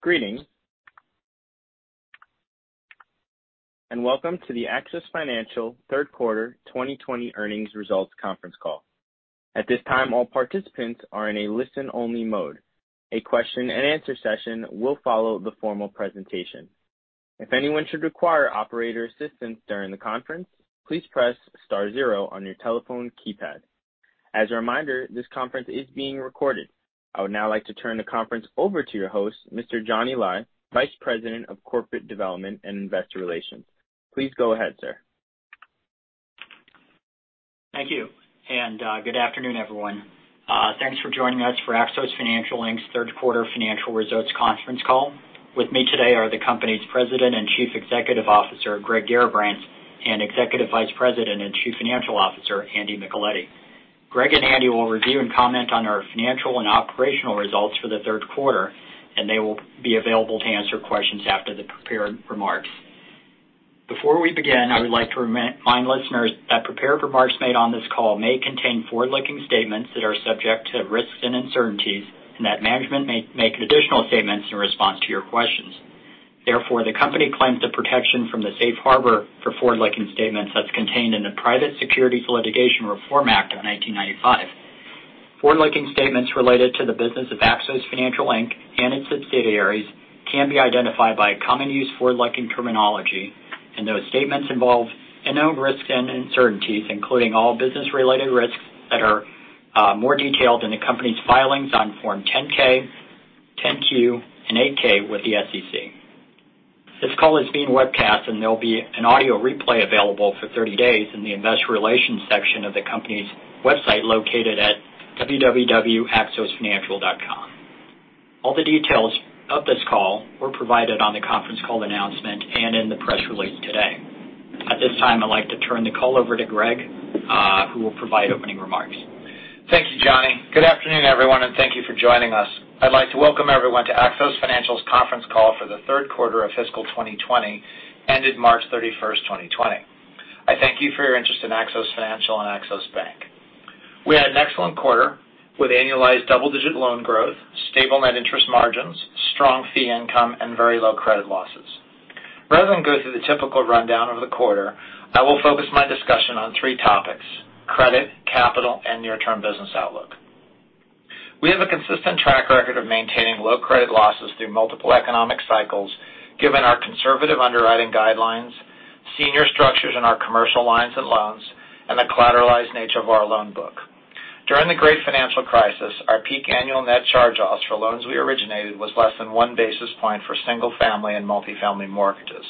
Greetings and welcome to the Axos Financial third quarter 2020 earnings results conference call. At this time, all participants are in a listen-only mode. A question-and-answer session will follow the formal presentation. If anyone should require operator assistance during the conference, please press star zero on your telephone keypad. As a reminder, this conference is being recorded. I would now like to turn the conference over to your host, Mr. Johnny Lai, Vice President of Corporate Development and Investor Relations. Please go ahead, sir. Thank you. Good afternoon, everyone. Thanks for joining us for Axos Financial, Inc.'s third quarter financial results conference call. With me today are the company's President and Chief Executive Officer, Greg Garrabrants, and Executive Vice President and Chief Financial Officer, Andy Micheletti. Greg and Andy will review and comment on our financial and operational results for the third quarter, and they will be available to answer questions after the prepared remarks. Before we begin, I would like to remind listeners that prepared remarks made on this call may contain forward-looking statements that are subject to risks and uncertainties, and that management may make additional statements in response to your questions. Therefore, the company claims the protection from the safe harbor for forward-looking statements that's contained in the Private Securities Litigation Reform Act of 1995. Forward-looking statements related to the business of Axos Financial, Inc. Its subsidiaries can be identified by common use forward-looking terminology, and those statements involve unknown risks and uncertainties, including all business-related risks that are more detailed in the company's filings on Form 10-K, 10-Q, and 8-K with the SEC. This call is being webcast, and there'll be an audio replay available for 30 days in the investor relations section of the company's website located at www.axosfinancial.com. All the details of this call were provided on the conference call announcement and in the press release today. At this time, I'd like to turn the call over to Greg, who will provide opening remarks. Thank you, Johnny. Good afternoon, everyone. Thank you for joining us. I'd like to welcome everyone to Axos Financial's conference call for the third quarter of fiscal 2020, ended March 31st, 2020. I thank you for your interest in Axos Financial and Axos Bank. We had an excellent quarter with annualized double-digit loan growth, stable net interest margins, strong fee income, and very low credit losses. Rather than go through the typical rundown of the quarter, I will focus my discussion on three topics: credit, capital, and near-term business outlook. We have a consistent track record of maintaining low credit losses through multiple economic cycles given our conservative underwriting guidelines, senior structures in our commercial lines and loans, and the collateralized nature of our loan book. During the great financial crisis, our peak annual net charge-offs for loans we originated was less than one basis point for single-family and multifamily mortgages.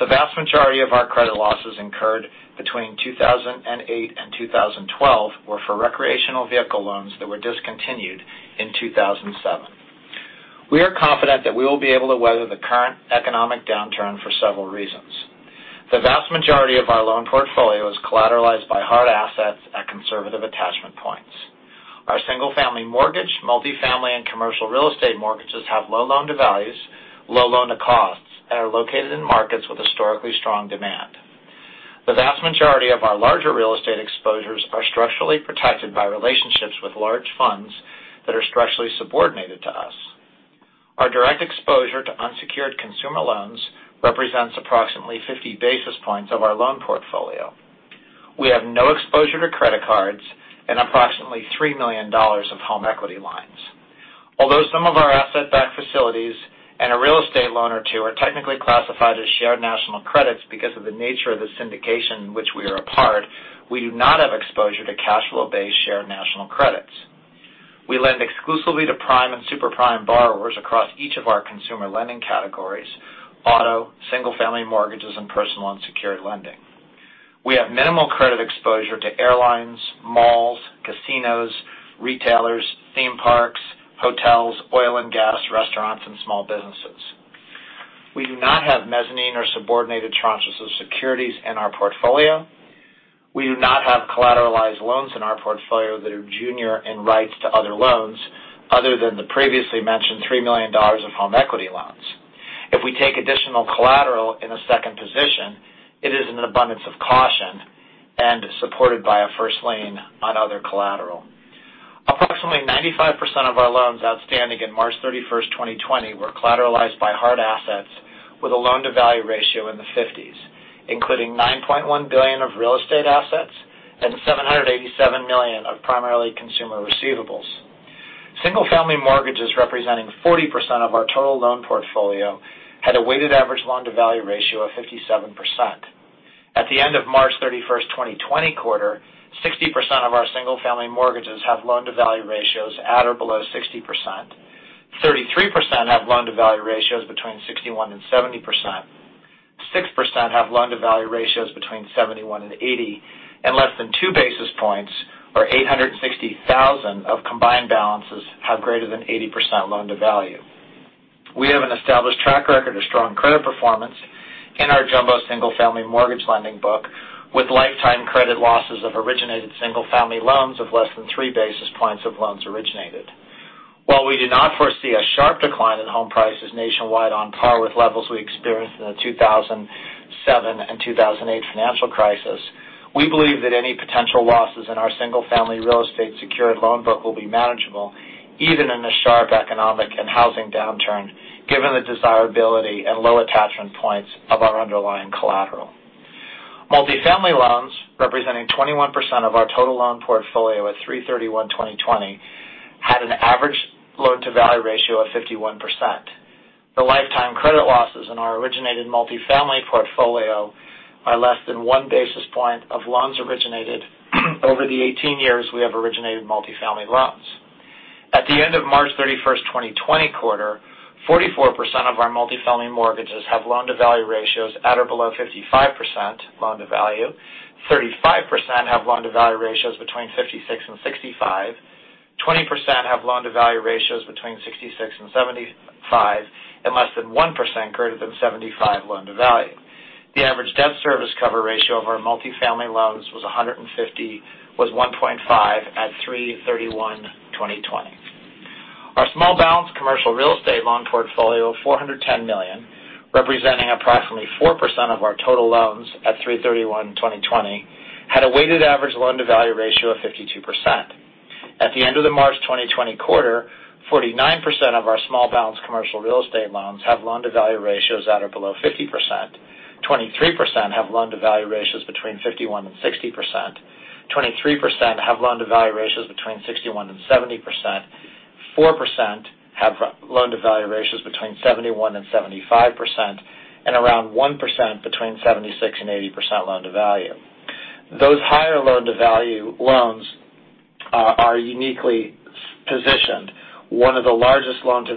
The vast majority of our credit losses incurred between 2008 and 2012 were for recreational vehicle loans that were discontinued in 2007. We are confident that we will be able to weather the current economic downturn for several reasons. The vast majority of our loan portfolio is collateralized by hard assets at conservative attachment points. Our single-family mortgage, multifamily, and commercial real estate mortgages have low loan-to-values, low loan-to-costs, and are located in markets with historically strong demand. The vast majority of our larger real estate exposures are structurally protected by relationships with large funds that are structurally subordinated to us. Our direct exposure to unsecured consumer loans represents approximately 50 basis points of our loan portfolio. We have no exposure to credit cards and approximately $3 million of home equity lines. Although some of our asset-backed facilities and a real estate loan or two are technically classified as shared national credits because of the nature of the syndication in which we are a part, we do not have exposure to cash flow-based shared national credits. We lend exclusively to prime and super prime borrowers across each of our consumer lending categories, auto, single-family mortgages, and personal unsecured lending. We have minimal credit exposure to airlines, malls, casinos, retailers, theme parks, hotels, oil and gas, restaurants, and small businesses. We do not have mezzanine or subordinated tranches of securities in our portfolio. We do not have collateralized loans in our portfolio that are junior in rights to other loans other than the previously mentioned $3 million of home equity loans. If we take additional collateral in a second position, it is in an abundance of caution and supported by a first lien on other collateral. Approximately 95% of our loans outstanding in March 31st, 2020, were collateralized by hard assets with a loan-to-value ratio in the 50s, including $9.1 billion of real estate assets and $787 million of primarily consumer receivables. Single-family mortgages representing 40% of our total loan portfolio had a weighted average loan-to-value ratio of 57%. At the end of March 31st, 2020 quarter, 60% of our single-family mortgages have loan-to-value ratios at or below 60%, 33% have loan-to-value ratios between 61%-70%, 6% have loan-to-value ratios between 71%-80%, and less than two basis points or 860,000 of combined balances have greater than 80% loan-to-value. We have an established track record of strong credit performance in our jumbo single-family mortgage lending book with lifetime credit losses of originated single-family loans of less than three basis points of loans originated. While we do not foresee a sharp decline in home prices nationwide on par with levels we experienced in the 2007 and 2008 financial crisis. We believe that any potential losses in our single-family real estate secured loan book will be manageable even in a sharp economic and housing downturn, given the desirability and low attachment points of our underlying collateral. Multifamily loans, representing 21% of our total loan portfolio at March 31, 2020, had an average loan-to-value ratio of 51%. The lifetime credit losses in our originated multifamily portfolio are less than one basis point of loans originated over the 18 years we have originated multifamily loans. At the end of March 31st, 2020, quarter, 44% of our multifamily mortgages have loan-to-value ratios at or below 55% loan-to-value, 35% have loan-to-value ratios between 56 and 65, 20% have loan-to-value ratios between 66 and 75, and less than 1% greater than 75 loan-to-value. The average debt service cover ratio of our multifamily loans was 1.5 at 3/31/2020. Our small balance commercial real estate loan portfolio of $410 million, representing approximately 4% of our total loans at 3/31/2020, had a weighted average loan-to-value ratio of 52%. At the end of the March 2020 quarter, 49% of our small balance commercial real estate loans have loan-to-value ratios at or below 50%, 23% have loan-to-value ratios between 51% and 60%, 23% have loan-to-value ratios between 61% and 70%, 4% have loan-to-value ratios between 71% and 75%, and around 1% between 76% and 80% loan to value. Those higher loan-to-value loans are uniquely positioned. One of the largest loans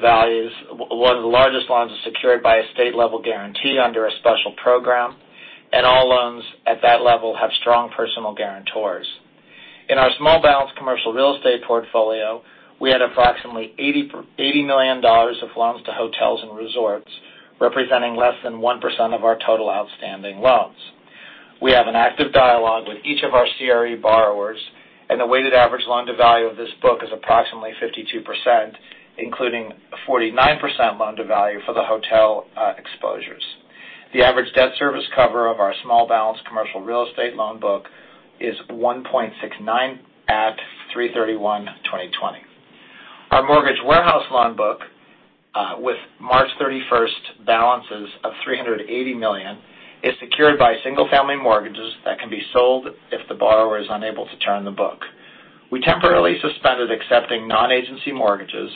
is secured by a state-level guarantee under a special program, and all loans at that level have strong personal guarantors. In our small balance commercial real estate portfolio, we had approximately $80 million of loans to hotels and resorts, representing less than 1% of our total outstanding loans. We have an active dialogue with each of our CRE borrowers, and the weighted average loan to value of this book is approximately 52%, including 49% loan to value for the hotel exposures. The average debt service cover of our small balance commercial real estate loan book is 1.69 at 331, 2020. Our mortgage warehouse loan book, with March 31st balances of $380 million, is secured by single-family mortgages that can be sold if the borrower is unable to turn the book. We temporarily suspended accepting non-agency mortgages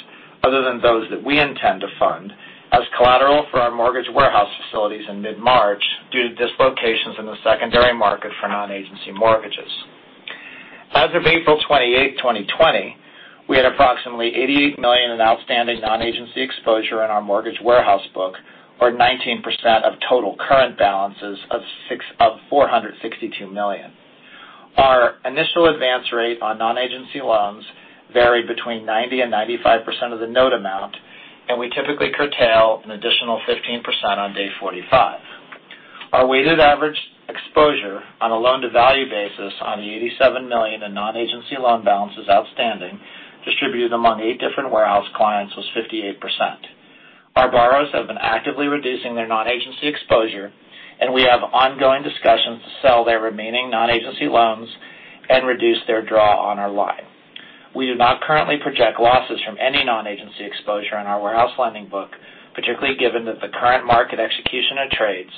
other than those that we intend to fund as collateral for our mortgage warehouse facilities in mid-March due to dislocations in the secondary market for non-agency mortgages. As of April 28, 2020, we had approximately $88 million in outstanding non-agency exposure in our mortgage warehouse book, or 19% of total current balances of $462 million. Our initial advance rate on non-agency loans varied between 90% and 95% of the note amount, and we typically curtail an additional 15% on day 45. Our weighted average exposure on a loan-to-value basis on the $87 million in non-agency loan balances outstanding, distributed among eight different warehouse clients, was 58%. Our borrowers have been actively reducing their non-agency exposure, and we have ongoing discussions to sell their remaining non-agency loans and reduce their draw on our line. We do not currently project losses from any non-agency exposure on our warehouse lending book, particularly given that the current market execution of trades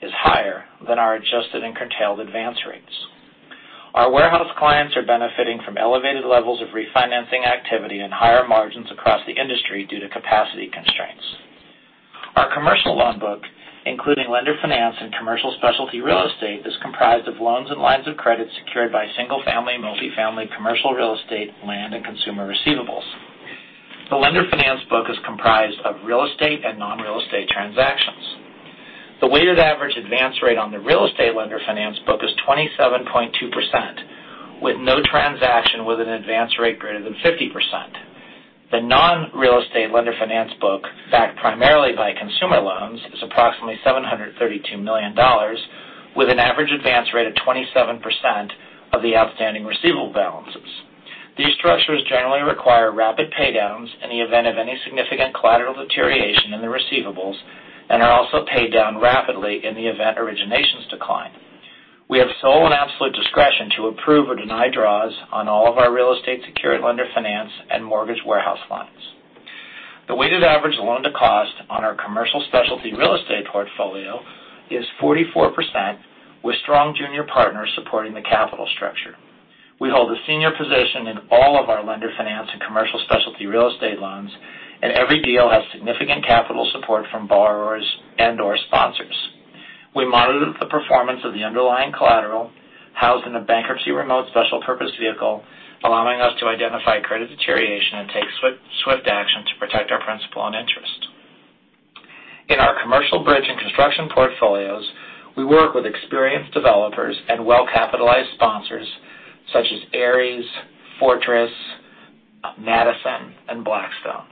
is higher than our adjusted and curtailed advance rates. Our warehouse clients are benefiting from elevated levels of refinancing activity and higher margins across the industry due to capacity constraints. Our commercial loan book, including lender finance and commercial specialty real estate, is comprised of loans and lines of credit secured by single-family, multifamily, commercial real estate, land, and consumer receivables. The lender finance book is comprised of real estate and non-real estate transactions. The weighted average advance rate on the real estate lender finance book is 27.2%, with no transaction with an advance rate greater than 50%. The non-real estate lender finance book, backed primarily by consumer loans, is approximately $732 million, with an average advance rate of 27% of the outstanding receivable balances. These structures generally require rapid paydowns in the event of any significant collateral deterioration in the receivables and are also paid down rapidly in the event originations decline. We have sole and absolute discretion to approve or deny draws on all of our real estate secured lender finance and mortgage warehouse loans. The weighted average loan to cost on our commercial specialty real estate portfolio is 44%, with strong junior partners supporting the capital structure. We hold a senior position in all of our lender finance and commercial specialty real estate loans, and every deal has significant capital support from borrowers and/or sponsors. We monitor the performance of the underlying collateral housed in a bankruptcy remote special purpose vehicle, allowing us to identify credit deterioration and take swift action to protect our principal and interest. In our commercial bridge and construction portfolios, we work with experienced developers and well-capitalized sponsors such as Ares, Fortress, Madison, and Blackstone.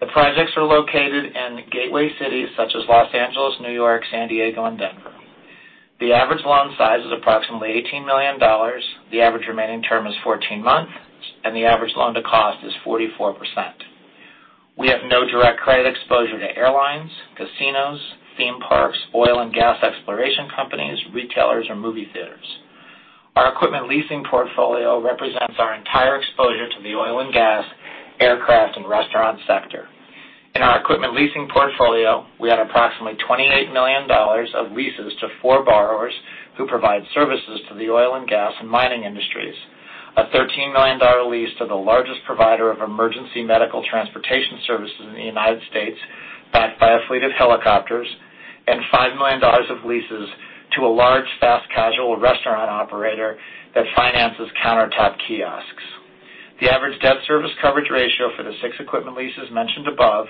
The projects are located in gateway cities such as Los Angeles, New York, San Diego, and Denver. The average loan size is approximately $18 million. The average remaining term is 14 months, and the average loan to cost is 44%. We have no direct credit exposure to airlines, casinos, theme parks, oil and gas exploration companies, retailers, or movie theaters. Our equipment leasing portfolio represents our entire exposure to the oil and gas, aircraft, and restaurant sector. In our equipment leasing portfolio, we had approximately $28 million of leases to four borrowers who provide services to the oil and gas and mining industries. A $13 million lease to the largest provider of emergency medical transportation services in the United States, backed by a fleet of helicopters, and $5 million of leases to a large fast-casual restaurant operator that finances countertop kiosks. The average debt service coverage ratio for the six equipment leases mentioned above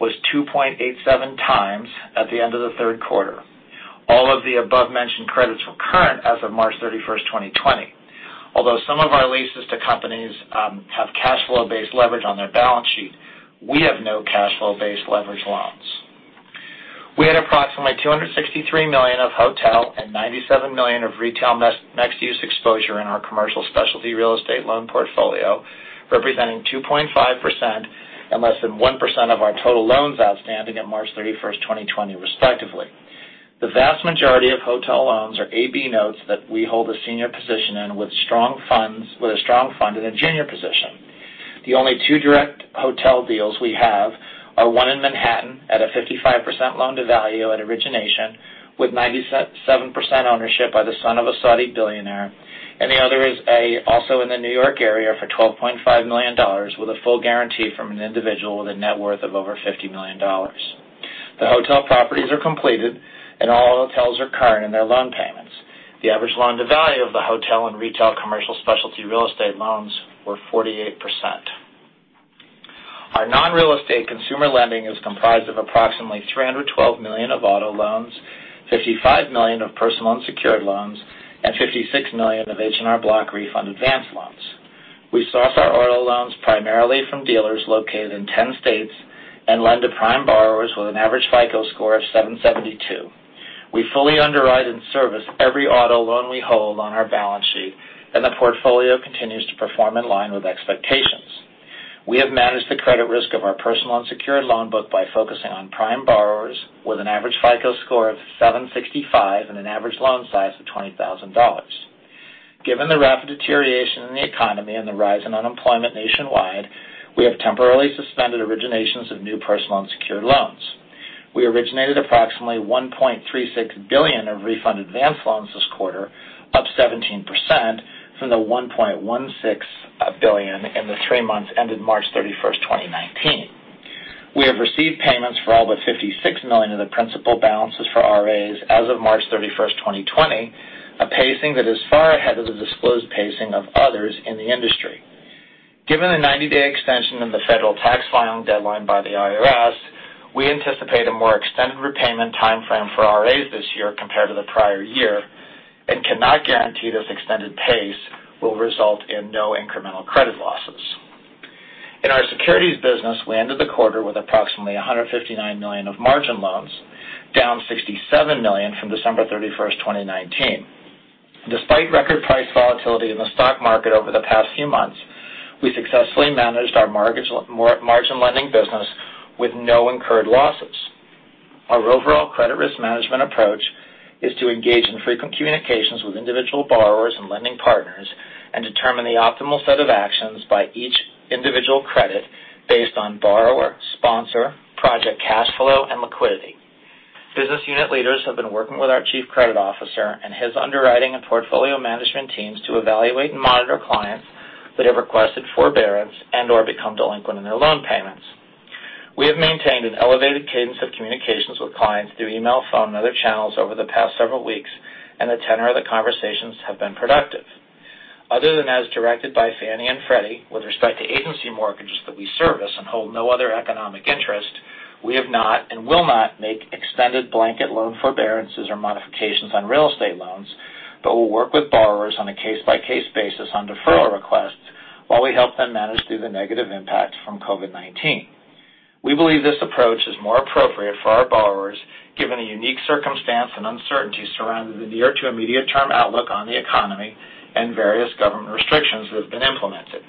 was 2.87 times at the end of the third quarter. All of the above-mentioned credits were current as of March 31, 2020. Although some of our leases to companies have cash flow-based leverage on their balance sheet. We have no cash flow-based leverage loans. We had approximately $263 million of hotel and $97 million of retail mixed-use exposure in our commercial specialty real estate loan portfolio, representing 2.5% and less than 1% of our total loans outstanding at March 31, 2020, respectively. The vast majority of hotel loans are A/B notes that we hold a senior position in with a strong fund in a junior position. The only two direct hotel deals we have are one in Manhattan at a 55% loan-to-value at origination with 97% ownership by the son of a Saudi billionaire, and the other is also in the New York area for $12.5 million with a full guarantee from an individual with a net worth of over $50 million. The hotel properties are completed, and all hotels are current in their loan payments. The average loan-to-value of the hotel and retail commercial specialty real estate loans were 48%. Our non-real estate consumer lending is comprised of approximately $312 million of auto loans, $55 million of personal unsecured loans, and $56 million of H&R Block refund advance loans. We source our auto loans primarily from dealers located in 10 states and lend to prime borrowers with an average FICO score of 772. We fully underwrite and service every auto loan we hold on our balance sheet, and the portfolio continues to perform in line with expectations. We have managed the credit risk of our personal unsecured loan book by focusing on prime borrowers with an average FICO score of 765 and an average loan size of $20,000. Given the rapid deterioration in the economy and the rise in unemployment nationwide, we have temporarily suspended originations of new personal unsecured loans. We originated approximately $1.36 billion of refund advance loans this quarter, up 17% from the $1.16 billion in the three months ended March 31st, 2019. We have received payments for all but $56 million of the principal balances for RAs as of March 31st, 2020, a pacing that is far ahead of the disclosed pacing of others in the industry. Given the 90-day extension of the federal tax filing deadline by the IRS, we anticipate a more extended repayment timeframe for RAs this year compared to the prior year and cannot guarantee this extended pace will result in no incremental credit losses. In our securities business, we ended the quarter with approximately $159 million of margin loans, down $67 million from December 31st, 2019. Despite record price volatility in the stock market over the past few months, we successfully managed our margin lending business with no incurred losses. Our overall credit risk management approach is to engage in frequent communications with individual borrowers and lending partners and determine the optimal set of actions by each individual credit based on borrower, sponsor, project cash flow, and liquidity. Business unit leaders have been working with our chief credit officer and his underwriting and portfolio management teams to evaluate and monitor clients that have requested forbearance and/or become delinquent in their loan payments. We have maintained an elevated cadence of communications with clients through email, phone, and other channels over the past several weeks, and the tenor of the conversations have been productive. Other than as directed by Fannie and Freddie with respect to agency mortgages that we service and hold no other economic interest, we have not and will not make extended blanket loan forbearances or modifications on real estate loans, but will work with borrowers on a case-by-case basis on deferral requests while we help them manage through the negative impact from COVID-19. We believe this approach is more appropriate for our borrowers given the unique circumstance and uncertainty surrounding the near to immediate-term outlook on the economy and various government restrictions that have been implemented.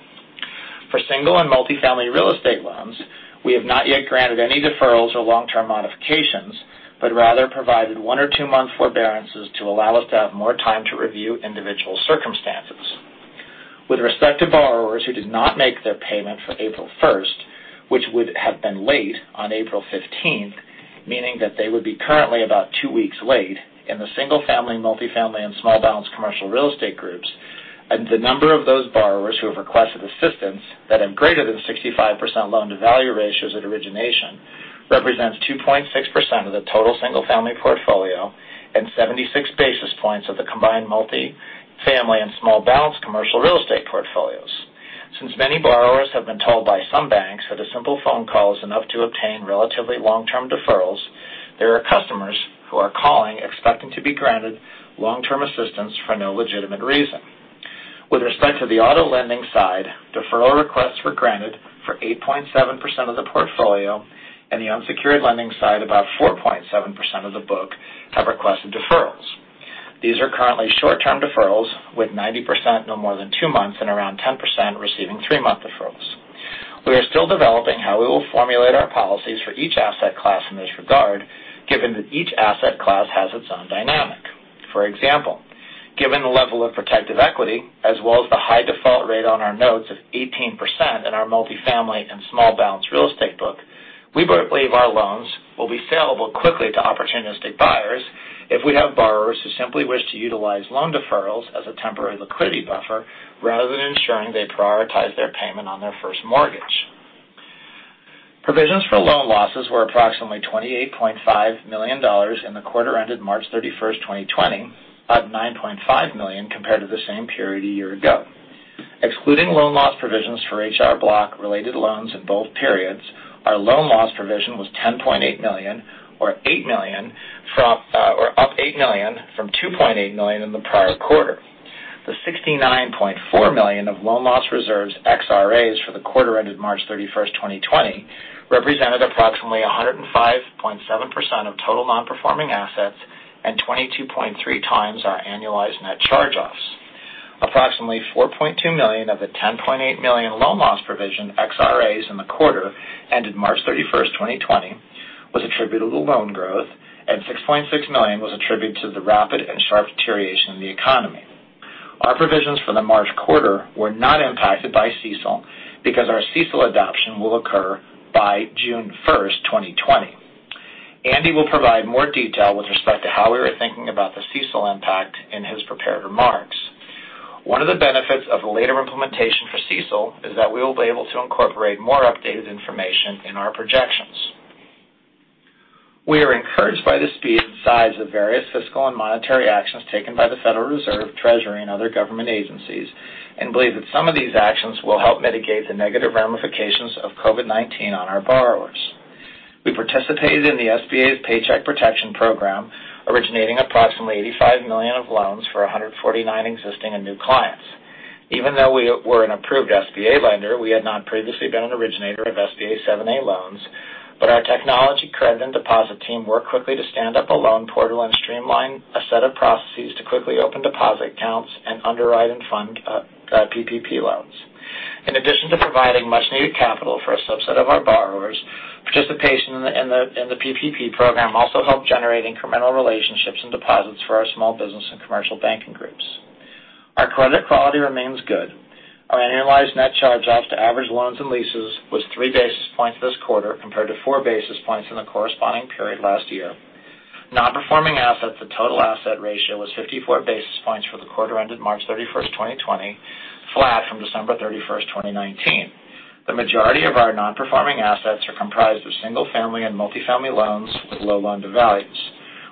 For single and multi-family real estate loans, we have not yet granted any deferrals or long-term modifications, but rather provided one or two-month forbearances to allow us to have more time to review individual circumstances. With respect to borrowers who did not make their payment for April 1st, which would have been late on April 15th, meaning that they would be currently about two weeks late in the single-family, multi-family, and small balance commercial real estate groups, and the number of those borrowers who have requested assistance that have greater than 65% loan-to-value ratios at origination represents 2.6% of the total single-family portfolio and 76 basis points of the combined multi-family and small balance commercial real estate portfolios. Since many borrowers have been told by some banks that a simple phone call is enough to obtain relatively long-term deferrals, there are customers who are calling expecting to be granted long-term assistance for no legitimate reason. With respect to the auto lending side, deferral requests were granted for 8.7% of the portfolio, and the unsecured lending side, about 4.7% of the book have requested deferral. These are currently short-term deferrals, with 90% no more than two months and around 10% receiving three-month deferrals. We are still developing how we will formulate our policies for each asset class in this regard, given that each asset class has its own dynamic. For example, given the level of protective equity as well as the high default rate on our notes of 18% in our multifamily and small balance real estate book, we believe our loans will be sellable quickly to opportunistic buyers if we have borrowers who simply wish to utilize loan deferrals as a temporary liquidity buffer rather than ensuring they prioritize their payment on their first mortgage. Provisions for loan losses were approximately $28.5 million in the quarter ended March 31st, 2020, up $9.5 million compared to the same period a year ago. Excluding loan loss provisions for H&R Block related loans in both periods, our loan loss provision was $10.8 million or up $8 million from $2.8 million in the prior quarter. The $69.4 million of loan loss reserves ex-RA for the quarter ended March 31st, 2020 represented approximately 105.7% of total non-performing assets and 22.3 times our annualized net charge-offs. Approximately $4.2 million of the $10.8 million loan loss provision ex-RAs in the quarter ended March 31st, 2020 was attributable to loan growth, and $6.6 million was attributed to the rapid and sharp deterioration in the economy. Our provisions for the March quarter were not impacted by CECL because our CECL adoption will occur by June 1st, 2020. Andy will provide more detail with respect to how we were thinking about the CECL impact in his prepared remarks. One of the benefits of the later implementation for CECL is that we will be able to incorporate more updated information in our projections. We are encouraged by the speed and size of various fiscal and monetary actions taken by the Federal Reserve, Treasury, and other government agencies, and believe that some of these actions will help mitigate the negative ramifications of COVID-19 on our borrowers. We participated in the SBA's Paycheck Protection Program, originating approximately $85 million of loans for 149 existing and new clients. Even though we were an approved SBA lender, we had not previously been an originator of SBA 7 loans, but our technology credit and deposit team worked quickly to stand up a loan portal and streamline a set of processes to quickly open deposit accounts and underwrite and fund PPP loans. In addition to providing much needed capital for a subset of our borrowers, participation in the PPP program also helped generate incremental relationships and deposits for our small business and commercial banking groups. Our credit quality remains good. Our annualized net charge-offs to average loans and leases was three basis points this quarter compared to four basis points in the corresponding period last year. Non-performing assets to total asset ratio was 54 basis points for the quarter ended March 31st, 2020, flat from December 31st, 2019. The majority of our non-performing assets are comprised of single-family and multifamily loans with low loan-to-values.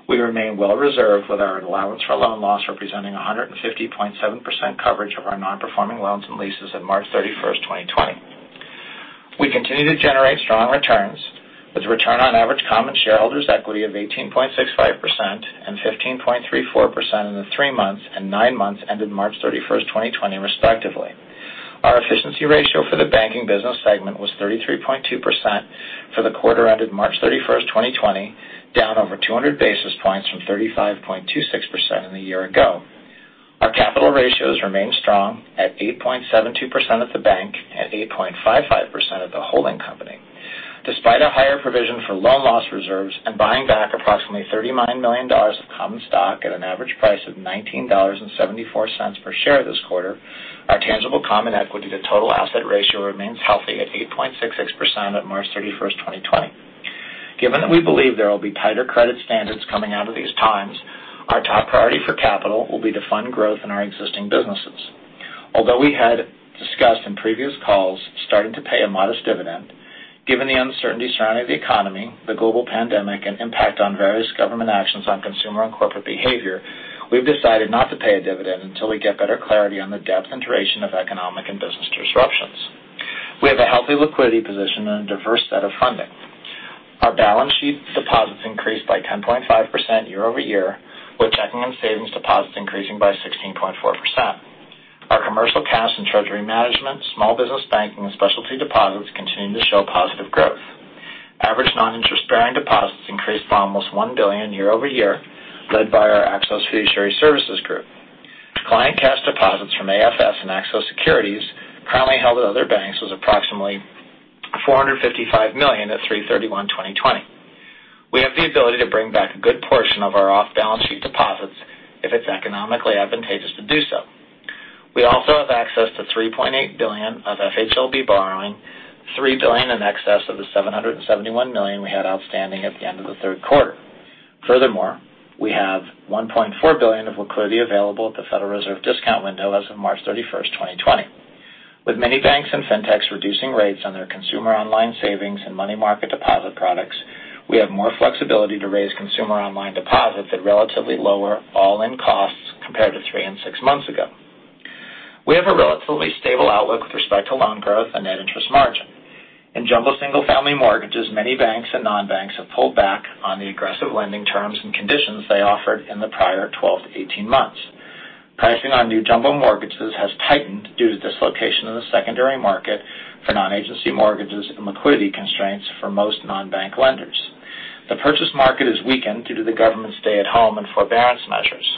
We remain well reserved with our allowance for loan loss, representing 150.7% coverage of our non-performing loans and leases at March 31st, 2020. We continue to generate strong returns with return on average common shareholders' equity of 18.65% and 15.34% in the three months and nine months ended March 31st, 2020, respectively. Our efficiency ratio for the banking business segment was 33.2% for the quarter ended March 31st, 2020, down over 200 basis points from 35.26% in a year ago. Our capital ratios remain strong at 8.72% at the bank and 8.55% at the holding company. Despite a higher provision for loan loss reserves and buying back approximately $39 million of common stock at an average price of $19.74 per share this quarter, our tangible common equity to total asset ratio remains healthy at 8.66% at March 31st, 2020. Given that we believe there will be tighter credit standards coming out of these times, our top priority for capital will be to fund growth in our existing businesses. Although we had discussed in previous calls starting to pay a modest dividend, given the uncertainty surrounding the economy, the global pandemic, and impact on various government actions on consumer and corporate behavior, we've decided not to pay a dividend until we get better clarity on the depth and duration of economic and business disruptions. We have a healthy liquidity position and a diverse set of funding. Our balance sheet deposits increased by 10.5% year-over-year, with checking and savings deposits increasing by 16.4%. Our commercial cash and treasury management, small business banking, and specialty deposits continue to show positive growth. Average non-interest bearing deposits increased by almost $1 billion year-over-year, led by our Axos Fiduciary Services group. Client cash deposits from AFS and Axos Securities currently held at other banks was approximately $455 million at 3/31/2020. We have the ability to bring back a good portion of our off-balance sheet deposits if it's economically advantageous to do so. We also have access to $3.8 billion of FHLB borrowing, $3 billion in excess of the $771 million we had outstanding at the end of the third quarter. We have $1.4 billion of liquidity available at the Federal Reserve discount window as of March 31st, 2020. With many banks and fintechs reducing rates on their consumer online savings and money market deposit products, we have more flexibility to raise consumer online deposits at relatively lower all-in costs compared to three and six months ago. We have a relatively stable outlook with respect to loan growth and net interest margin. In jumbo single-family mortgages, many banks and non-banks have pulled back on the aggressive lending terms and conditions they offered in the prior 12-18 months. Pricing on new jumbo mortgages has tightened due to dislocation in the secondary market for non-agency mortgages and liquidity constraints for most non-bank lenders. The purchase market has weakened due to the government's stay-at-home and forbearance measures.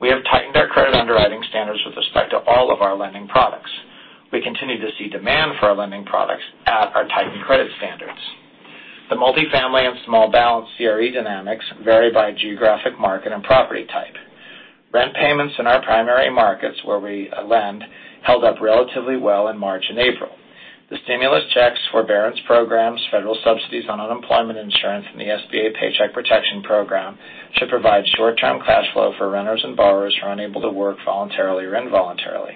We have tightened our credit underwriting standards with respect to all of our lending products. We continue to see demand for our lending products at our tightened credit standards. The multifamily and small balance CRE dynamics vary by geographic market and property type. Rent payments in our primary markets where we lend held up relatively well in March and April. The stimulus checks, forbearance programs, federal subsidies on unemployment insurance, and the SBA Paycheck Protection Program should provide short-term cash flow for renters and borrowers who are unable to work voluntarily or involuntarily.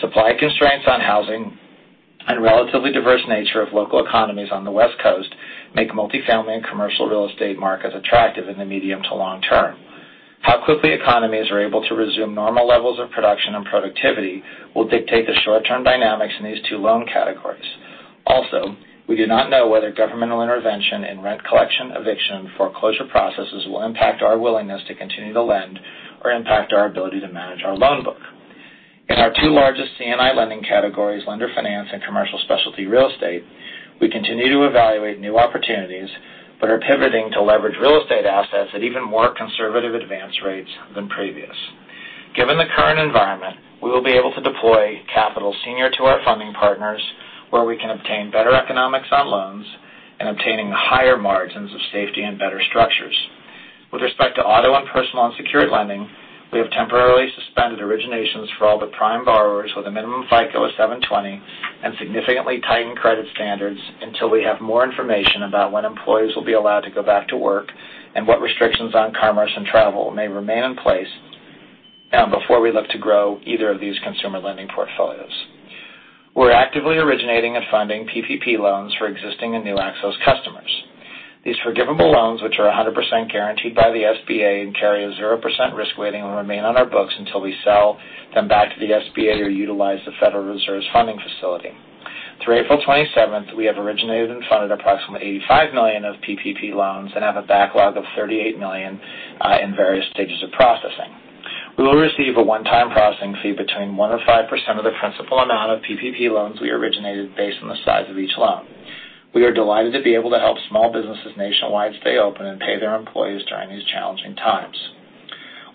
Supply constraints on housing and relatively diverse nature of local economies on the West Coast make multifamily and commercial real estate markets attractive in the medium to long term. How quickly economies are able to resume normal levels of production and productivity will dictate the short-term dynamics in these two loan categories. We do not know whether governmental intervention in rent collection, eviction, and foreclosure processes will impact our willingness to continue to lend or impact our ability to manage our loan book. In our two largest C&I lending categories, lender finance and commercial specialty real estate, we continue to evaluate new opportunities but are pivoting to leverage real estate assets at even more conservative advance rates than previous. Given the current environment, we will be able to deploy capital senior to our funding partners, where we can obtain better economics on loans and obtaining higher margins of safety and better structures. With respect to auto and personal unsecured lending, we have temporarily suspended originations for all but prime borrowers with a minimum FICO of 720 and significantly tightened credit standards until we have more information about when employees will be allowed to go back to work and what restrictions on commerce and travel may remain in place, before we look to grow either of these consumer lending portfolios. We're actively originating and funding PPP loans for existing and new Axos customers. These forgivable loans, which are 100% guaranteed by the SBA and carry a 0% risk weighting, will remain on our books until we sell them back to the SBA or utilize the Federal Reserve's funding facility. Through April 27th, we have originated and funded approximately $85 million of PPP loans and have a backlog of $38 million in various stages of processing. We will receive a one-time processing fee between 1% and 5% of the principal amount of PPP loans we originated based on the size of each loan. We are delighted to be able to help small businesses nationwide stay open and pay their employees during these challenging times.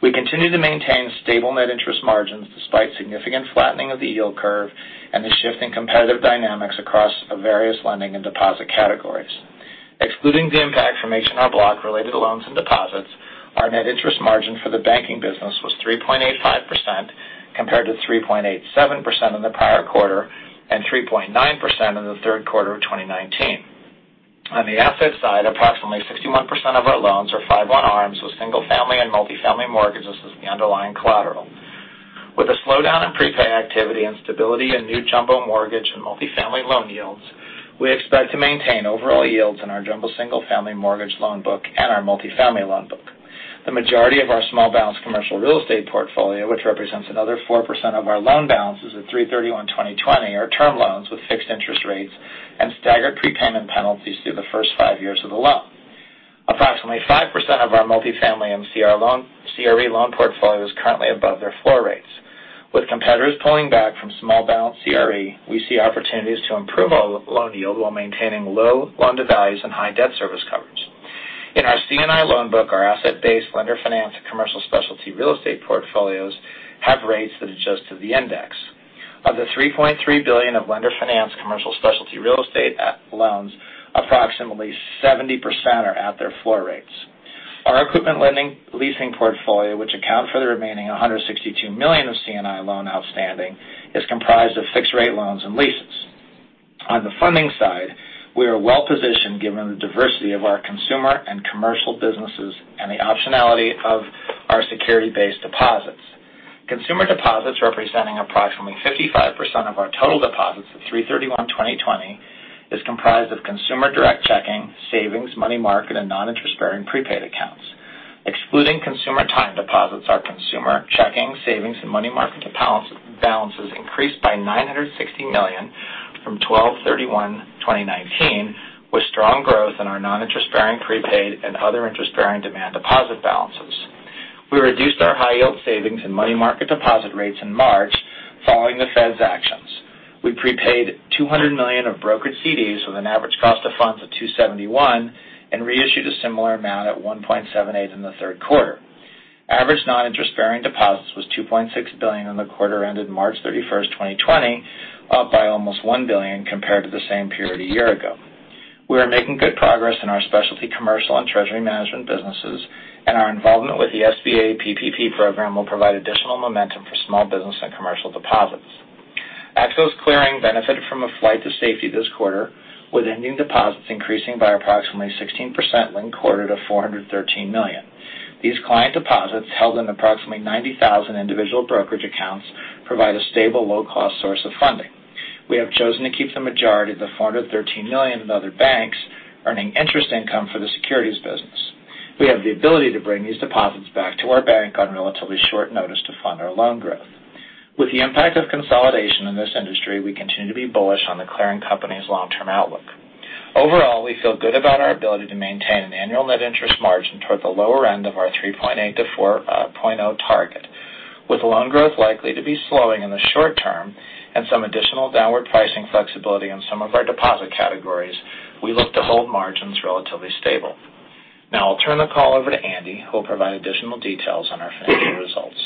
We continue to maintain stable net interest margins despite significant flattening of the yield curve and the shift in competitive dynamics across various lending and deposit categories. Excluding the impact from H&R Block-related loans and deposits, our net interest margin for the banking business was 3.85%, compared to 3.87% in the prior quarter and 3.9% in the third quarter of 2019. On the asset side, approximately 61% of our loans are 5/1 ARMs with single-family and multifamily mortgages as the underlying collateral. With a slowdown in prepay activity and stability in new jumbo mortgage and multifamily loan yields, we expect to maintain overall yields in our jumbo single-family mortgage loan book and our multifamily loan book. The majority of our small balance commercial real estate portfolio, which represents another 4% of our loan balances at 3/31/2020, are term loans with fixed interest rates and staggered prepayment penalties through the first five years of the loan. Approximately 5% of our multifamily and CRE loan portfolio is currently above their floor rates. With competitors pulling back from small balance CRE, we see opportunities to improve our loan yield while maintaining low loan-to-values and high debt service coverage. In our C&I loan book, our asset-based lender finance and commercial specialty real estate portfolios have rates that adjust to the index. Of the $3.3 billion of lender finance commercial specialty real estate loans, approximately 70% are at their floor rates. Our equipment lending leasing portfolio, which account for the remaining $162 million of C&I loan outstanding, is comprised of fixed-rate loans and leases. On the funding side, we are well positioned given the diversity of our consumer and commercial businesses and the optionality of our security-based deposits. Consumer deposits, representing approximately 55% of our total deposits at 3/31/2020, is comprised of consumer direct checking, savings, money market, and non-interest-bearing prepaid accounts. Excluding consumer time deposits, our consumer checking, savings, and money market balances increased by $960 million from 12/31/2019, with strong growth in our non-interest-bearing prepaid and other interest-bearing demand deposit balances. We reduced our high-yield savings and money market deposit rates in March following the Fed's actions. We prepaid $200 million of brokered CDs with an average cost of funds of 2.71 and reissued a similar amount at 1.78 in the third quarter. Average non-interest-bearing deposits was $2.6 billion in the quarter ended March 31st, 2020, up by almost $1 billion compared to the same period a year ago. We are making good progress in our specialty commercial and treasury management businesses, and our involvement with the SBA PPP program will provide additional momentum for small business and commercial deposits. Axos Clearing benefited from a flight to safety this quarter, with ending deposits increasing by approximately 16% linked quarter to $413 million. These client deposits, held in approximately 90,000 individual brokerage accounts, provide a stable, low-cost source of funding. We have chosen to keep the majority of the $413 million in other banks, earning interest income for the securities business. We have the ability to bring these deposits back to our bank on relatively short notice to fund our loan growth. With the impact of consolidation in this industry, we continue to be bullish on the clearing company's long-term outlook. Overall, we feel good about our ability to maintain an annual net interest margin toward the lower end of our 3.8%-4.0% target. With loan growth likely to be slowing in the short term and some additional downward pricing flexibility on some of our deposit categories, we look to hold margins relatively stable. Now I'll turn the call over to Andy, who will provide additional details on our financial results.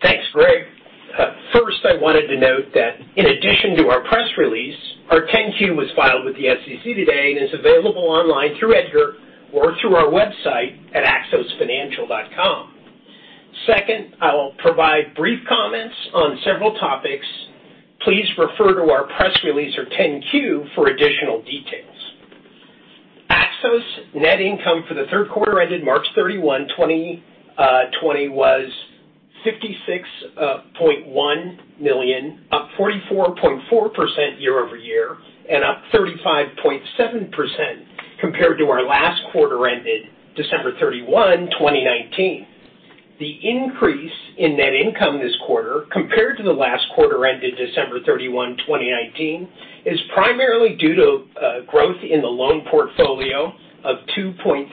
Thanks, Greg. First, I wanted to note that in addition to our press release, our 10-Q was filed with the SEC today and is available online through EDGAR or through our website at axosfinancial.com. Second, I will provide brief comments on several topics. Please refer to our press release or 10-Q for additional details. Axos' net income for the third quarter ended March 31, 2020 was $56.1 million, up 44.4% year-over-year and up 35.7% compared to our last quarter ended December 31, 2019. The increase in net income this quarter compared to the last quarter ended December 31, 2019, is primarily due to growth in the loan portfolio of 2.3%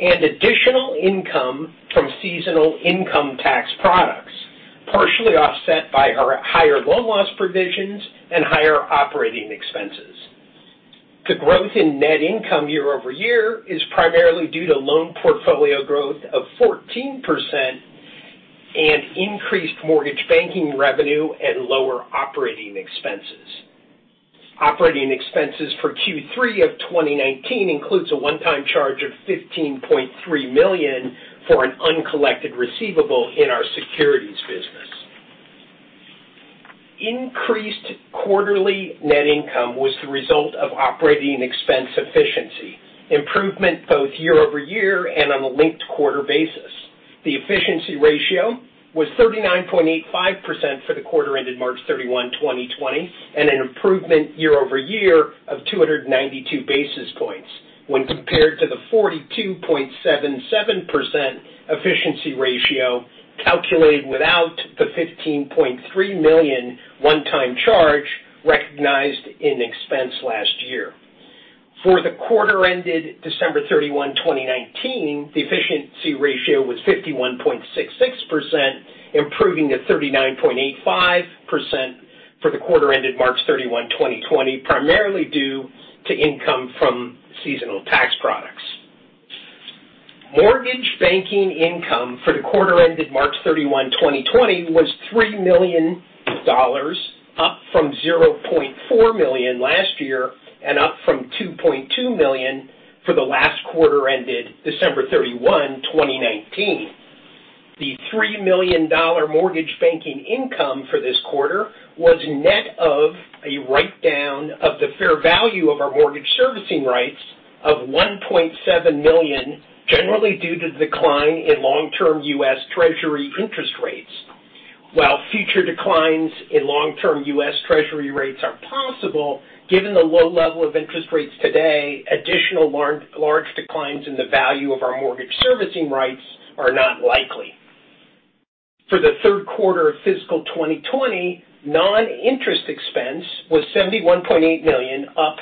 and additional income from seasonal income tax products, partially offset by our higher loan loss provisions and higher operating expenses. The growth in net income year-over-year is primarily due to loan portfolio growth of 14% and increased mortgage banking revenue and lower operating expenses. Operating expenses for Q3 of 2019 includes a one-time charge of $15.3 million for an uncollected receivable in our securities business. Increased quarterly net income was the result of operating expense efficiency, improvement both year-over-year and on a linked-quarter basis. The efficiency ratio was 39.85% for the quarter ended March 31, 2020, and an improvement year-over-year of 292 basis points when compared to the 42.77% efficiency ratio calculated without the $15.3 million one-time charge recognized in expense last year. For the quarter ended December 31, 2019, the efficiency ratio was 51.66%, improving to 39.85% for the quarter ended March 31, 2020, primarily due to income from seasonal tax products. Mortgage banking income for the quarter ended March 31, 2020 was $3 million, up from $0.4 million last year and up from $2.2 million for the last quarter ended December 31, 2019. The $3 million mortgage banking income for this quarter was net of a write-down of the fair value of our mortgage servicing rights of $1.7 million, generally due to the decline in long-term U.S. Treasury interest rates. While future declines in long-term U.S. Treasury rates are possible, given the low level of interest rates today, additional large declines in the value of our mortgage servicing rights are not likely. For the third quarter of fiscal 2020, non-interest expense was $71.8 million, up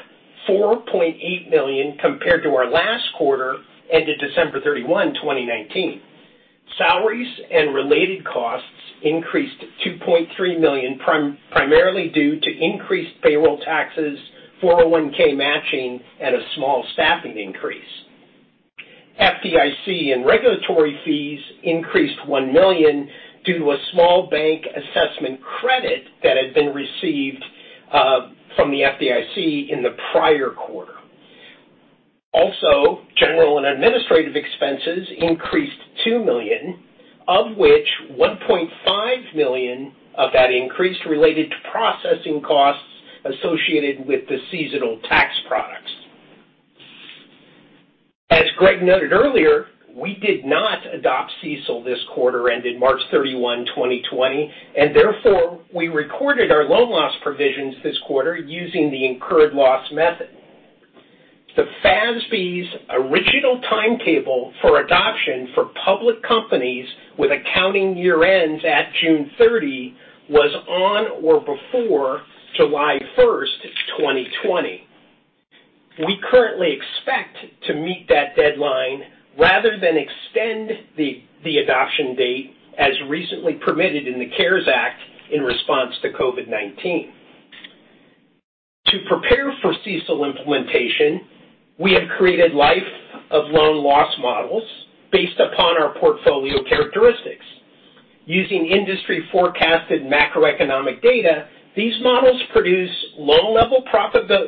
$4.8 million compared to our last quarter ended December 31, 2019. Salaries and related costs increased $2.3 million, primarily due to increased payroll taxes, 401(k) matching, and a small staffing increase. FDIC and regulatory fees increased $1 million due to a small bank assessment credit that had been received from the FDIC in the prior quarter. General and administrative expenses increased $2 million, of which $1.5 million of that increase related to processing costs associated with the seasonal tax products. As Greg noted earlier, we did not adopt CECL this quarter ended March 31, 2020, and therefore, we recorded our loan loss provisions this quarter using the incurred loss method. The FASB's original timetable for adoption for public companies with accounting year-ends at June 30 was on or before July 1, 2020. We currently expect to meet that deadline rather than extend the adoption date, as recently permitted in the CARES Act in response to COVID-19. To prepare for CECL implementation, we have created life-of-loan loss models based upon our portfolio characteristics. Using industry-forecasted macroeconomic data, these models produce loan-level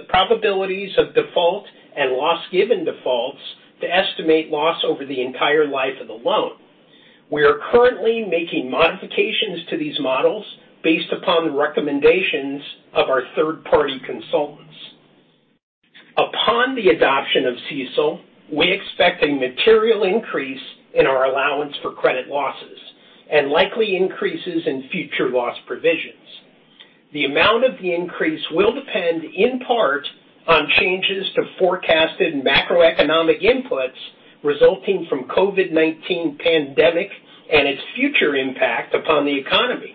probabilities of default and loss given defaults to estimate loss over the entire life of the loan. We are currently making modifications to these models based upon the recommendations of our third-party consultants. Upon the adoption of CECL, we expect a material increase in our allowance for credit losses and likely increases in future loss provisions. The amount of the increase will depend in part on changes to forecasted macroeconomic inputs resulting from COVID-19 pandemic and its future impact upon the economy.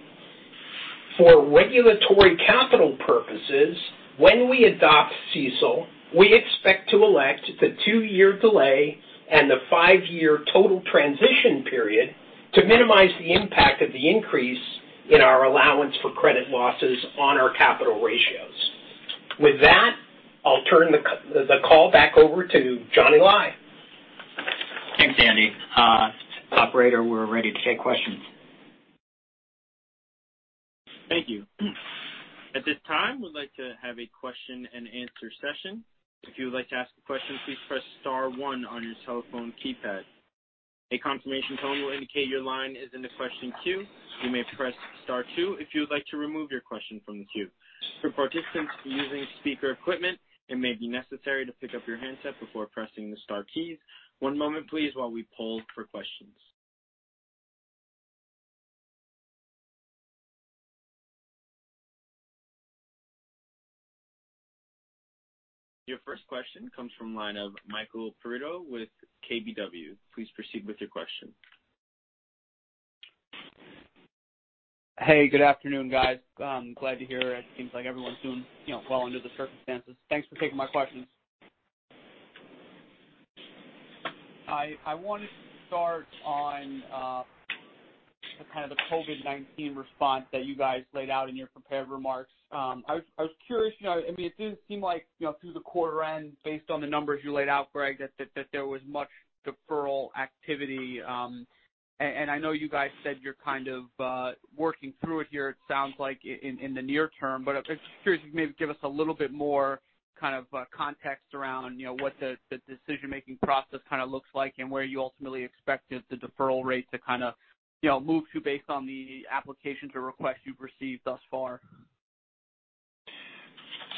For regulatory capital purposes, when we adopt CECL, we expect to elect the two-year delay and the five-year total transition period to minimize the impact of the increase in our allowance for credit losses on our capital ratios. With that, I'll turn the call back over to Johnny Lai. Thanks, Andy. Operator, we're ready to take questions. Thank you. At this time, we'd like to have a question-and-answer session. If you would like to ask a question, please press star one on your telephone keypad. A confirmation tone will indicate your line is in the question queue. You may press star two if you would like to remove your question from the queue. For participants using speaker equipment, it may be necessary to pick up your handset before pressing the star keys. One moment please, while we poll for questions. Your first question comes from line of Michael Perito with KBW. Please proceed with your question. Hey, good afternoon, guys. Glad to hear it seems like everyone's doing well under the circumstances. Thanks for taking my questions. I wanted to start on kind of the COVID-19 response that you guys laid out in your prepared remarks. I was curious, it didn't seem like through the quarter end, based on the numbers you laid out, Greg, that there was much deferral activity. I know you guys said you're kind of working through it here, it sounds like, in the near term. I'm just curious if you maybe give us a little bit more kind of context around what the decision-making process kind of looks like and where you ultimately expect the deferral rate to kind of move to based on the applications or requests you've received thus far.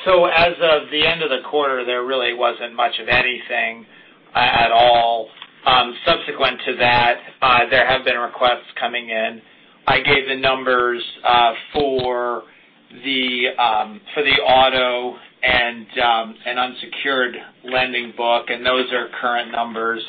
As of the end of the quarter, there really wasn't much of anything at all. Subsequent to that, there have been requests coming in. I gave the numbers for the auto and unsecured lending book, and those are current numbers.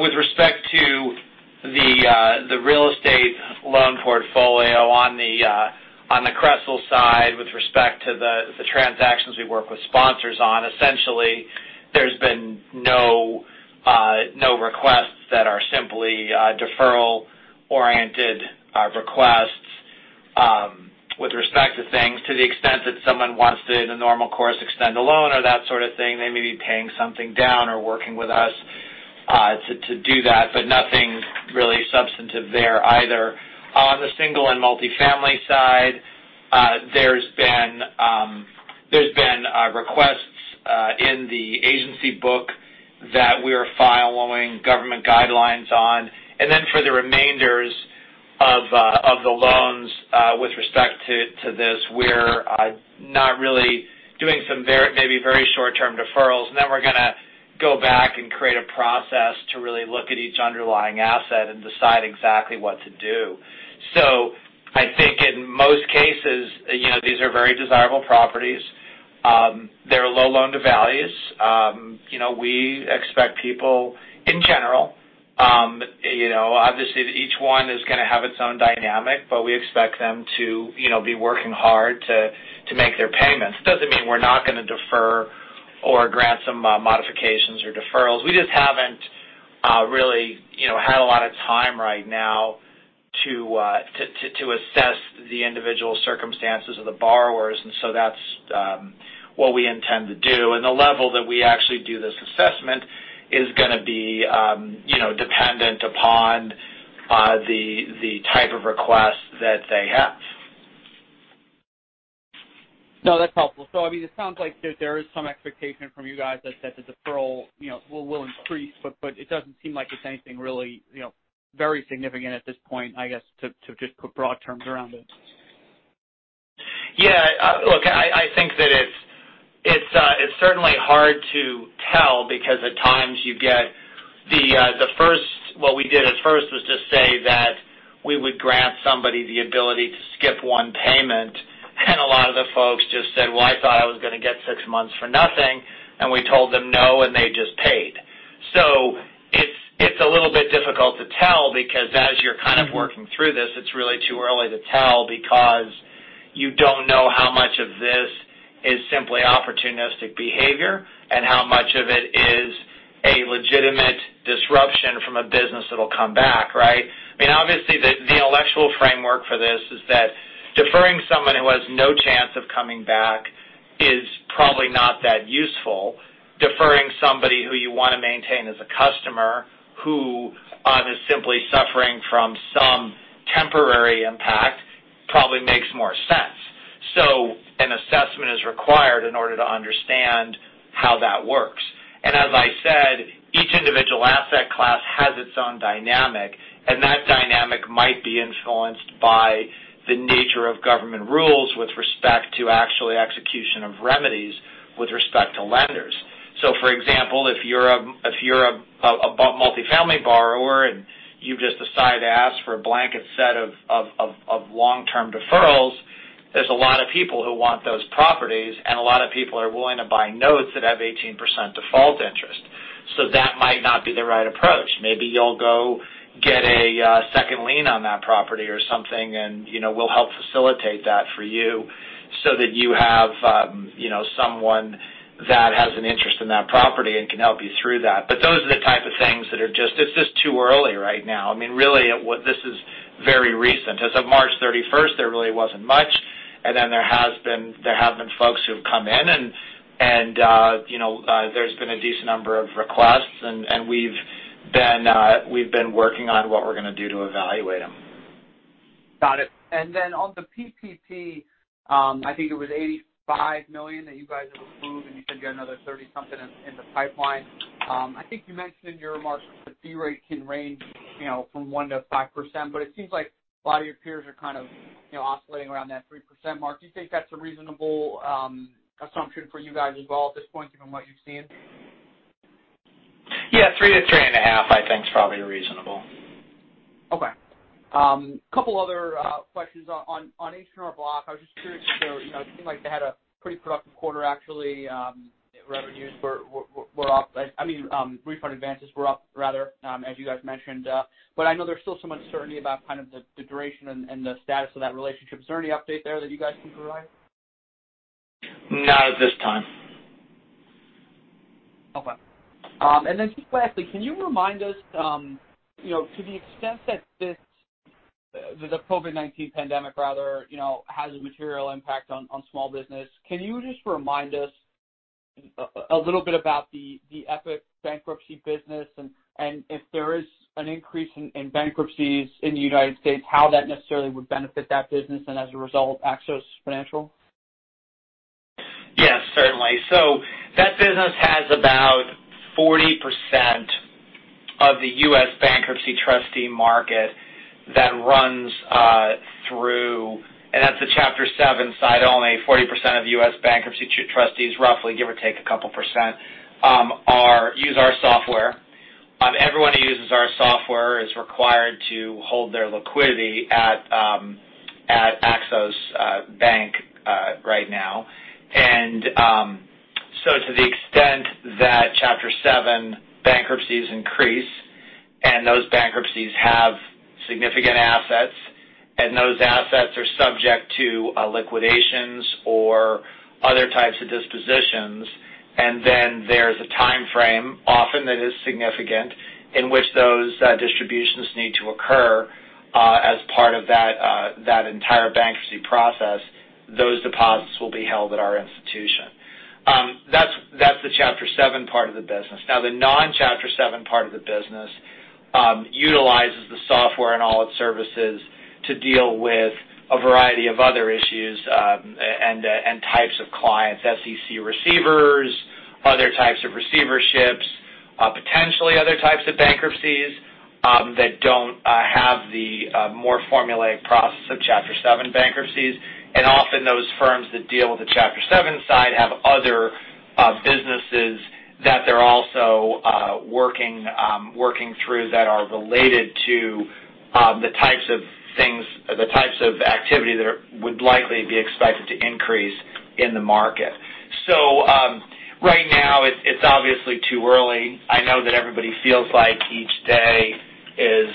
With respect to the real estate loan portfolio on the C-Star side, with respect to the transactions we work with sponsors on, essentially, there's been no requests that are simply deferral-oriented requests. With respect to things, to the extent that someone wants to, in a normal course, extend a loan or that sort of thing, they may be paying something down or working with us to do that. Nothing really substantive there either. On the single and multifamily side, there's been requests in the agency book that we're following government guidelines on. For the remainders of the loans with respect to this, we're not really doing some maybe very short-term deferrals, then we're going to go back and create a process to really look at each underlying asset and decide exactly what to do. I think in most cases, these are very desirable properties. They're low loan to values. We expect people in general, obviously, each one is going to have its own dynamic, but we expect them to be working hard to make their payments. It doesn't mean we're not going to defer or grant some modifications or deferrals. We just haven't really had a lot of time right now to assess the individual circumstances of the borrowers. That's what we intend to do. The level that we actually do this assessment is going to be dependent upon the type of request that they have. No, that's helpful. I mean, it sounds like there is some expectation from you guys that the deferral will increase, but it doesn't seem like it's anything really very significant at this point, I guess, to just put broad terms around it. Look, I think that it's certainly hard to tell because at times you get what we did at first was just say that we would grant somebody the ability to skip one payment. A lot of the folks just said, Well, I thought I was going to get six months for nothing, and we told them no, and they just paid. It's a little bit difficult to tell because as you're kind of working through this, it's really too early to tell because you don't know how much of this is simply opportunistic behavior and how much of it is a legitimate disruption from a business that'll come back, right? I mean, obviously, the intellectual framework for this is that deferring someone who has no chance of coming back is probably not that useful. Deferring somebody who you want to maintain as a customer who is simply suffering from some temporary impact probably makes more sense. An assessment is required in order to understand how that works. As I said, each individual asset class has its own dynamic, and that dynamic might be influenced by the nature of government rules with respect to remedies with respect to lenders. For example, if you're a multifamily borrower and you've just decided to ask for a blanket set of long-term deferrals, there's a lot of people who want those properties, and a lot of people are willing to buy notes that have 18% default interest. That might not be the right approach. Maybe you'll go get a second lien on that property or something and we'll help facilitate that for you so that you have someone that has an interest in that property and can help you through that. Those are the type of things that are just too early right now. This is very recent. As of March 31st, there really wasn't much. There have been folks who have come in and there's been a decent number of requests and we've been working on what we're going to do to evaluate them. Got it. On the PPP, I think it was $85 million that you guys have approved, and you said you had another 30 something in the pipeline. I think you mentioned in your remarks that the fee rate can range from 1%-5%, but it seems like a lot of your peers are kind of oscillating around that 3% mark. Do you think that's a reasonable assumption for you guys as well at this point, given what you've seen? Yeah, 3%-3.5% I think is probably reasonable. Okay. Couple other questions. On H&R Block, I was just curious because it seemed like they had a pretty productive quarter, actually. Revenues were up. Refund advances were up rather, as you guys mentioned. I know there's still some uncertainty about kind of the duration and the status of that relationship. Is there any update there that you guys can provide? Not at this time. Okay. Just lastly, can you remind us to the extent that the COVID-19 pandemic has a material impact on small business? Can you just remind us a little bit about the Epiq bankruptcy business and if there is an increase in bankruptcies in the United States, how that necessarily would benefit that business and as a result, Axos Financial? Yes, certainly. That business has about 40% of the U.S. bankruptcy trustee market that runs through, and that's the Chapter 7 side only, 40% of the U.S. bankruptcy trustees, roughly, give or take a couple %, use our software. Everyone who uses our software is required to hold their liquidity at Axos Bank right now. To the extent that Chapter 7 bankruptcies increase and those bankruptcies have significant assets and those assets are subject to liquidations or other types of dispositions, and then there's a timeframe, often that is significant, in which those distributions need to occur as part of that entire bankruptcy process, those deposits will be held at our institution. That's the Chapter 7 part of the business. The non-Chapter 7 part of the business utilizes the software and all its services to deal with a variety of other issues and types of clients, SEC receivers, other types of receiverships, potentially other types of bankruptcies that don't have the more formulaic process of Chapter 7 bankruptcies. Often those firms that deal with the Chapter 7 side have other businesses that they're also working through that are related to the types of activity that would likely be expected to increase in the market. Right now it's obviously too early. I know that everybody feels like each day is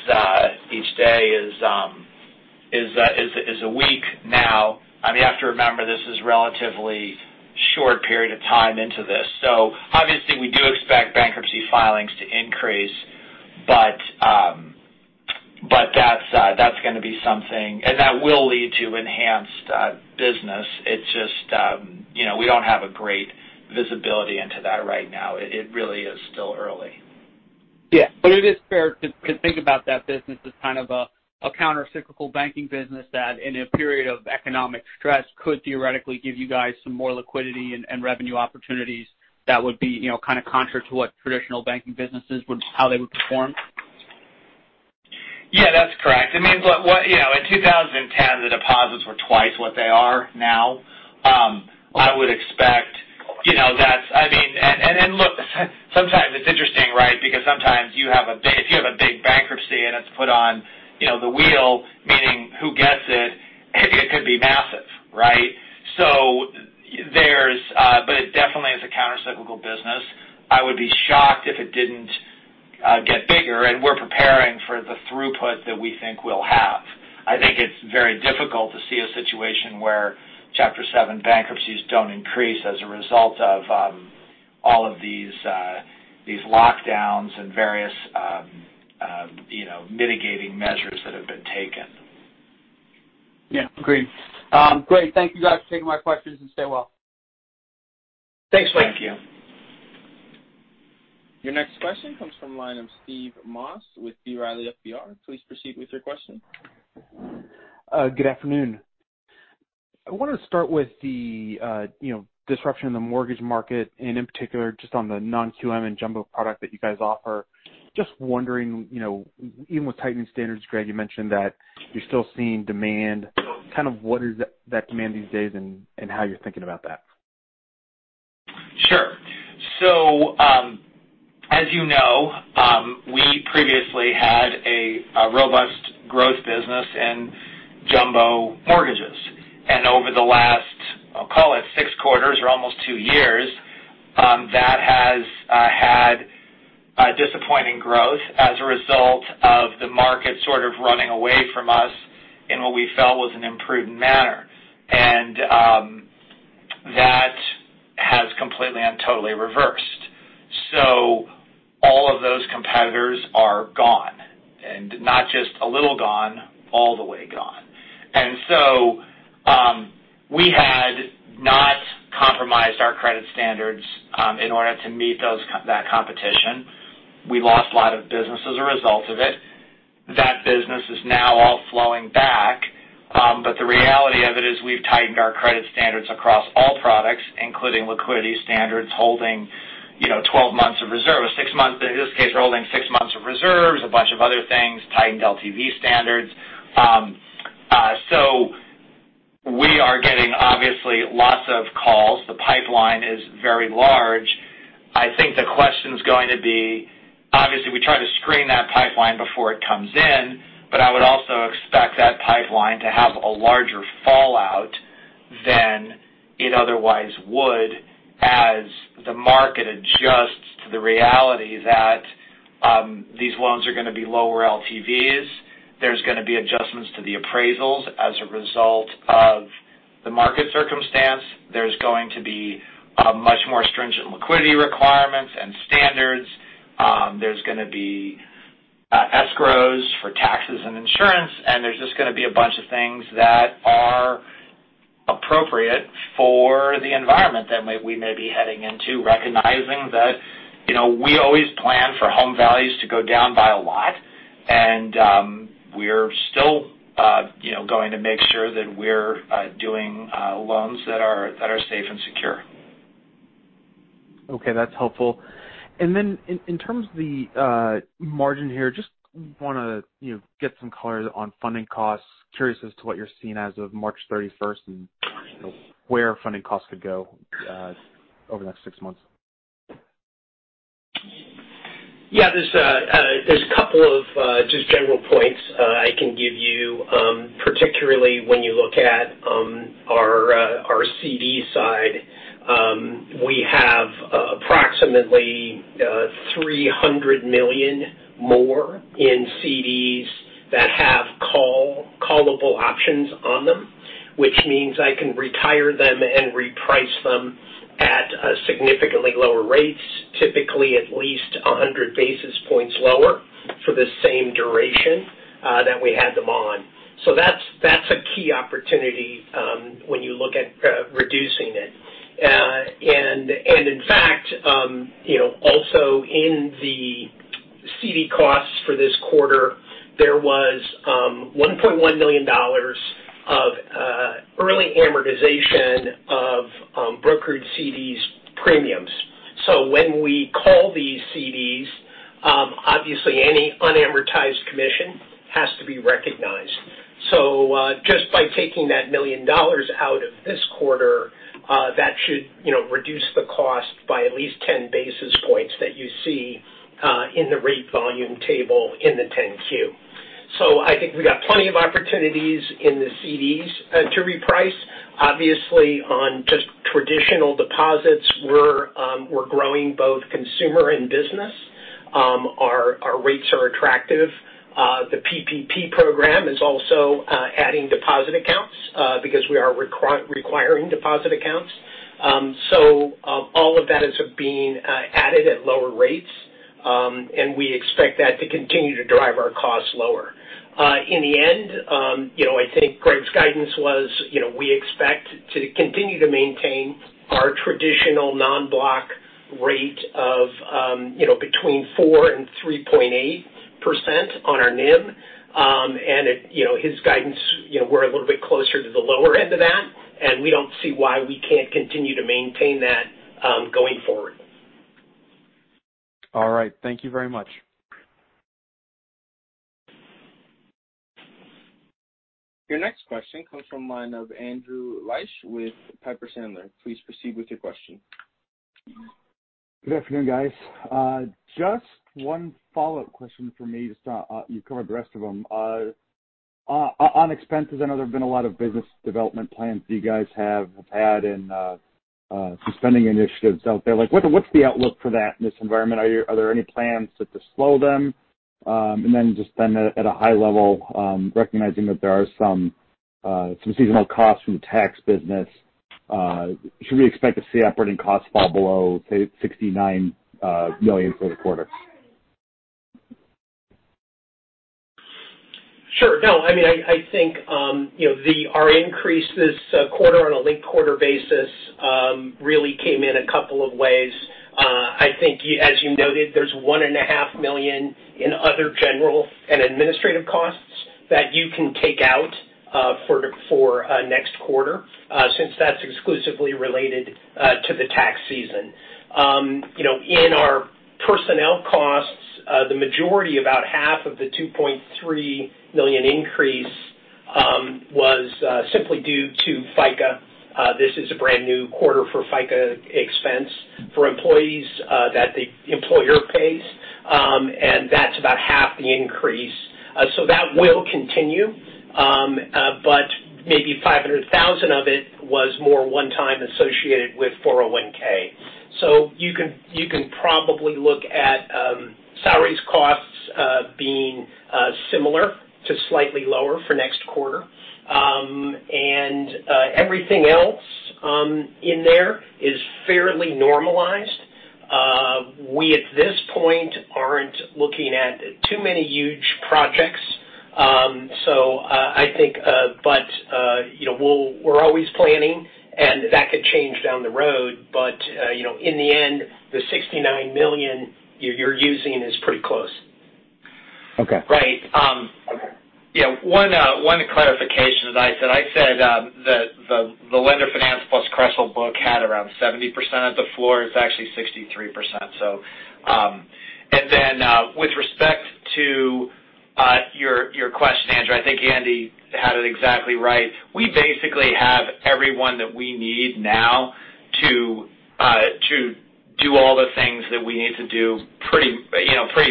a week now. You have to remember this is relatively short period of time into this. Obviously we do expect bankruptcy filings to increase, but that will lead to enhanced business. It's just we don't have a great visibility into that right now. It really is still early. Yeah. It is fair to think about that business as kind of a countercyclical banking business that in a period of economic stress could theoretically give you guys some more liquidity and revenue opportunities that would be kind of contrary to what traditional banking businesses, how they would perform? Yeah, that's correct. In 2010, the deposits were twice what they are now. I would expect. Look, sometimes it's interesting, right? Sometimes if you have a big bankruptcy and it's put on the wheel, meaning who gets it could be massive, right? It definitely is a countercyclical business. I would be shocked if it didn't get bigger, and we're preparing for the throughput that we think we'll have. I think it's very difficult to see a situation where Chapter 7 bankruptcies don't increase as a result of all of these lockdowns and various mitigating measures that have been taken. Yeah. Agreed. Great. Thank you guys for taking my questions and stay well. Thanks. Thank you. Your next question comes from the line of Steve Moss with B. Riley FBR. Please proceed with your question. Good afternoon. I wanted to start with the disruption in the mortgage market and in particular just on the non-QM and jumbo product that you guys offer. Just wondering, even with tightening standards, Greg, you mentioned that you're still seeing demand. Kind of what is that demand these days and how you're thinking about that? Sure. As you know, we previously had a robust growth business in jumbo mortgages. Over the last, I'll call it six quarters or almost two years, that has had disappointing growth as a result of the market sort of running away from us in what we felt was an imprudent manner. That has completely and totally reversed. All of those competitors are gone, and not just a little gone, all the way gone. We had not compromised our credit standards in order to meet that competition. We lost a lot of business as a result of it. That business is now all flowing back. The reality of it is we've tightened our credit standards across all products, including liquidity standards, holding 12 months of reserve. Six months, in this case, holding six months of reserves, a bunch of other things, tightened LTV standards. We are getting obviously lots of calls. The pipeline is very large. I think the question's going to be, obviously, we try to screen that pipeline before it comes in, but I would also expect that pipeline to have a larger fallout than it otherwise would as the market adjusts to the reality that these loans are going to be lower LTVs. There's going to be adjustments to the appraisals as a result of the market circumstance. There's going to be much more stringent liquidity requirements and standards. There's going to be escrows for taxes and insurance, and there's just going to be a bunch of things that are appropriate for the environment that we may be heading into, recognizing that we always plan for home values to go down by a lot. We're still going to make sure that we're doing loans that are safe and secure. Okay. That's helpful. In terms of the margin here, just want to get some color on funding costs. Curious as to what you're seeing as of March 31st and where funding costs could go over the next six months. Yeah. There's a couple of just general points I can give you. Particularly when you look at our CD side. We have approximately $300 million more in CDs that have callable options on them, which means I can retire them and reprice them at significantly lower rates, typically at least 100 basis points lower for the same duration that we had them on. That's a key opportunity when you look at reducing it. In fact, also in the CD costs for this quarter, there was $1.1 million of early amortization of brokered CDs premiums. When we call these CDs, obviously any unamortized commission has to be recognized. Just by taking that $1 million out of this quarter, that should reduce the cost by at least 10 basis points that you see in the rate volume table in the 10-Q. I think we got plenty of opportunities in the CDs to reprice. Obviously, on just traditional deposits, we're growing both consumer and business. Our rates are attractive. The PPP program is also adding deposit accounts because we are requiring deposit accounts. All of that is being added at lower rates. We expect that to continue to drive our costs lower. In the end, I think Greg's guidance was we expect to continue to maintain our traditional non-block rate of between 4% and 3.8% on our NIM. His guidance, we're a little bit closer to the lower end of that, and we don't see why we can't continue to maintain that going forward. All right. Thank you very much. Your next question comes from the line of Andrew Liesch with Piper Sandler. Please proceed with your question. Good afternoon, guys. Just one follow-up question from me to start. You covered the rest of them. On expenses, I know there have been a lot of business development plans that you guys have had and some spending initiatives out there. What's the outlook for that in this environment? Are there any plans to slow them? Just then at a high level, recognizing that there are some seasonal costs from the tax business, should we expect to see operating costs fall below, say, $69 million for the quarter? Sure. No, I think our increase this quarter on a linked quarter basis really came in a couple of ways. I think as you noted, there's $1.5 million in other general and administrative costs that you can take out for next quarter since that's exclusively related to the tax season. In our personnel costs, the majority, about half of the $2.3 million increase Was simply due to FICA. This is a brand-new quarter for FICA expense for employees that the employer pays, and that's about half the increase. That will continue. Maybe $500,000 of it was more one-time associated with 401(k). You can probably look at salaries costs being similar to slightly lower for next quarter. Everything else in there is fairly normalized. We, at this point, aren't looking at too many huge projects. We're always planning, and that could change down the road. In the end, the $69 million you're using is pretty close. Okay. Right. One clarification that I said. I said that the lender finance plus C-Star book had around 70% of the floor. It's actually 63%. With respect to your question, Andrew, I think Andy had it exactly right. We basically have everyone that we need now to do all the things that we need to do pretty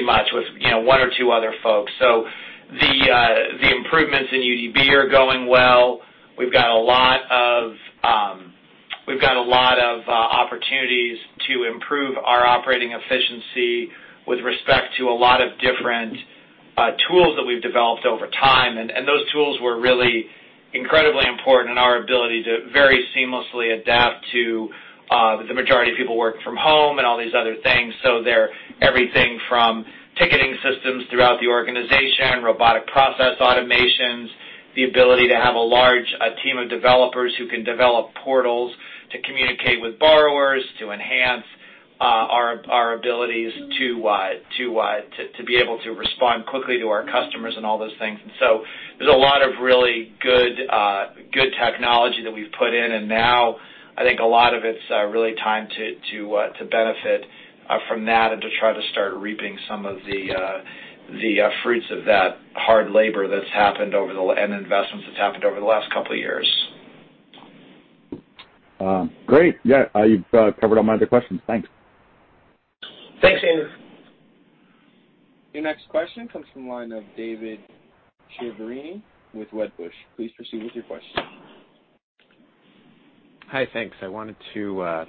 much with one or two other folks. The improvements in UDB are going well. We've got a lot of opportunities to improve our operating efficiency with respect to a lot of different tools that we've developed over time. Those tools were really incredibly important in our ability to very seamlessly adapt to the majority of people working from home and all these other things. They're everything from ticketing systems throughout the organization, robotic process automations, the ability to have a large team of developers who can develop portals to communicate with borrowers to enhance our abilities to be able to respond quickly to our customers and all those things. There's a lot of really good technology that we've put in. Now I think a lot of it's really time to benefit from that and to try to start reaping some of the fruits of that hard labor and investments that's happened over the last couple of years. Great. Yeah. You've covered all my other questions. Thanks. Thanks, Andrew. Your next question comes from the line of David Chiaverini with Wedbush. Please proceed with your question. Hi. Thanks. I wanted to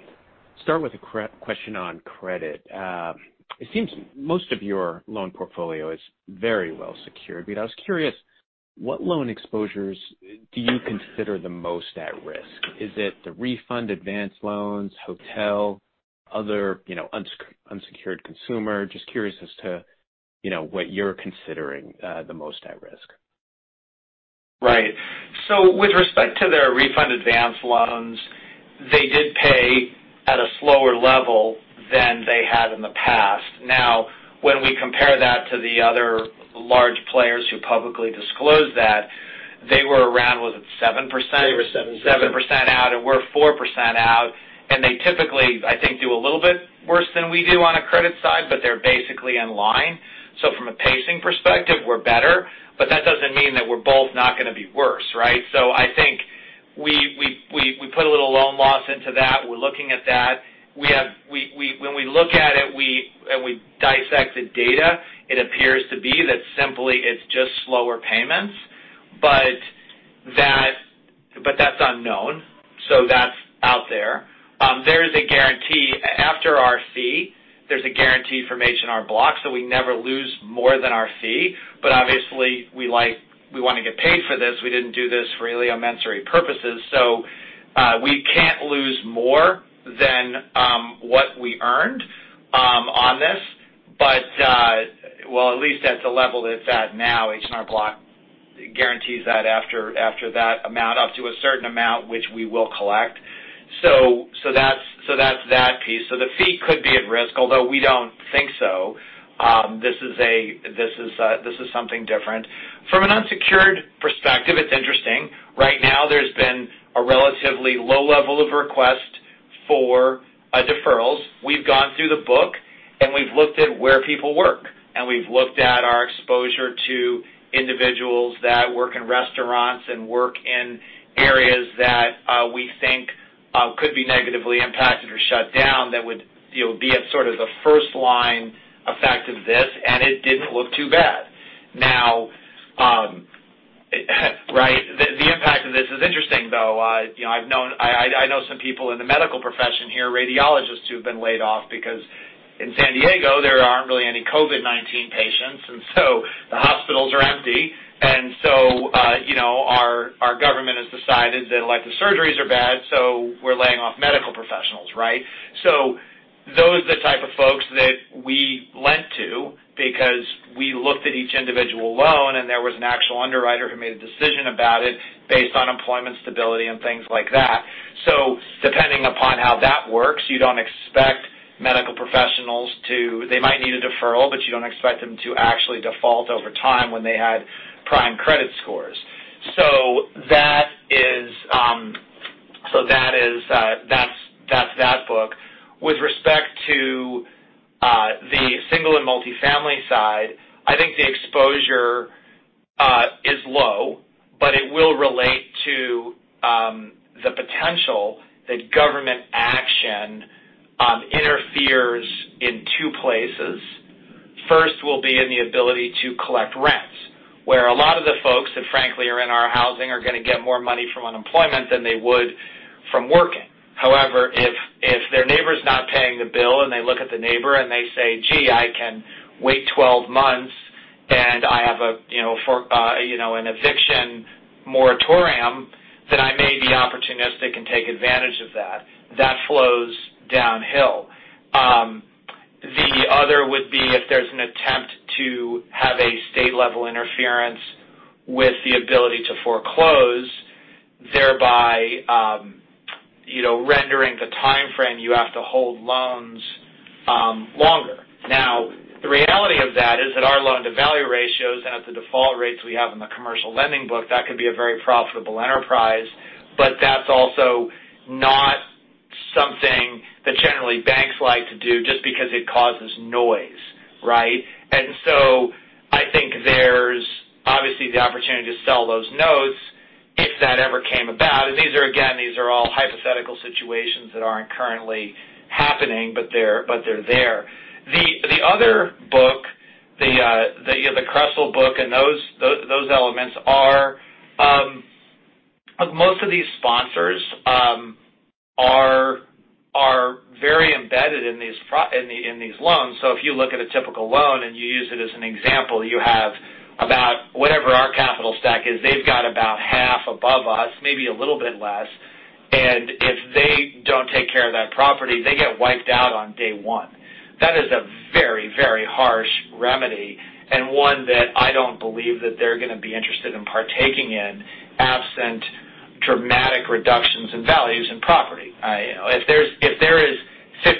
start with a question on credit. It seems most of your loan portfolio is very well secured. I was curious, what loan exposures do you consider the most at risk? Is it the refund advance loans, hotel, other unsecured consumer? Just curious as to what you're considering the most at risk. Right. With respect to their refund advance loans, they did pay at a slower level than they had in the past. When we compare that to the other large players who publicly disclose that, they were around, was it 7%? They were 7%. 7% out, we're 4% out. They typically, I think, do a little bit worse than we do on a credit side, but they're basically in line. From a pacing perspective, we're better, but that doesn't mean that we're both not going to be worse, right? I think we put a little loan loss into that. We're looking at that. When we look at it and we dissect the data, it appears to be that simply it's just slower payments. That's unknown. That's out there. There is a guarantee. After our fee, there's a guarantee from H&R Block, so we never lose more than our fee. Obviously, we want to get paid for this. We didn't do this for really immense purposes. We can't lose more than what we earned on this. Well, at least at the level it's at now, H&R Block guarantees that after that amount, up to a certain amount, which we will collect. That's that piece. The fee could be at risk, although we don't think so. This is something different. From an unsecured perspective, it's interesting. Right now, there's been a relatively low level of request for deferrals. We've gone through the book and we've looked at where people work, and we've looked at our exposure to individuals that work in restaurants and work in areas that we think could be negatively impacted or shut down that would be at sort of the first line effect of this, and it didn't look too bad. The impact of this is interesting, though. I know some people in the medical profession here, radiologists, who've been laid off because in San Diego, there aren't really any COVID-19 patients, and so the hospitals are empty. Our government has decided that elective surgeries are bad, so we're laying off medical professionals. Those are the type of folks that we lent to because we looked at each individual loan and there was an actual underwriter who made a decision about it based on employment stability and things like that. Depending upon how that works, you don't expect medical professionals to they might need a deferral, but you don't expect them to actually default over time when they had prime credit scores. The family side, I think the exposure is low, but it will relate to the potential that government action interferes in two places. First will be in the ability to collect rents, where a lot of the folks that frankly are in our housing are going to get more money from unemployment than they would from working. If their neighbor's not paying the bill and they look at the neighbor and they say, Gee, I can wait 12 months and I have an eviction moratorium, then I may be opportunistic and take advantage of that. That flows downhill. The other would be if there's an attempt to have a state-level interference with the ability to foreclose, thereby rendering the timeframe you have to hold loans longer. The reality of that is that our loan-to-value ratios and at the default rates we have in the commercial lending book, that could be a very profitable enterprise, but that's also not something that generally banks like to do just because it causes noise, right? I think there's obviously the opportunity to sell those notes if that ever came about. These are, again, all hypothetical situations that aren't currently happening, but they're there. The other book, the Crestle book, and those elements. Most of these sponsors are very embedded in these loans. If you look at a typical loan and you use it as an example, you have about whatever our capital stack is. They've got about half above us, maybe a little bit less. If they don't take care of that property, they get wiped out on day one. That is a very harsh remedy and one that I don't believe that they're going to be interested in partaking in absent dramatic reductions in values and property. If there is 50%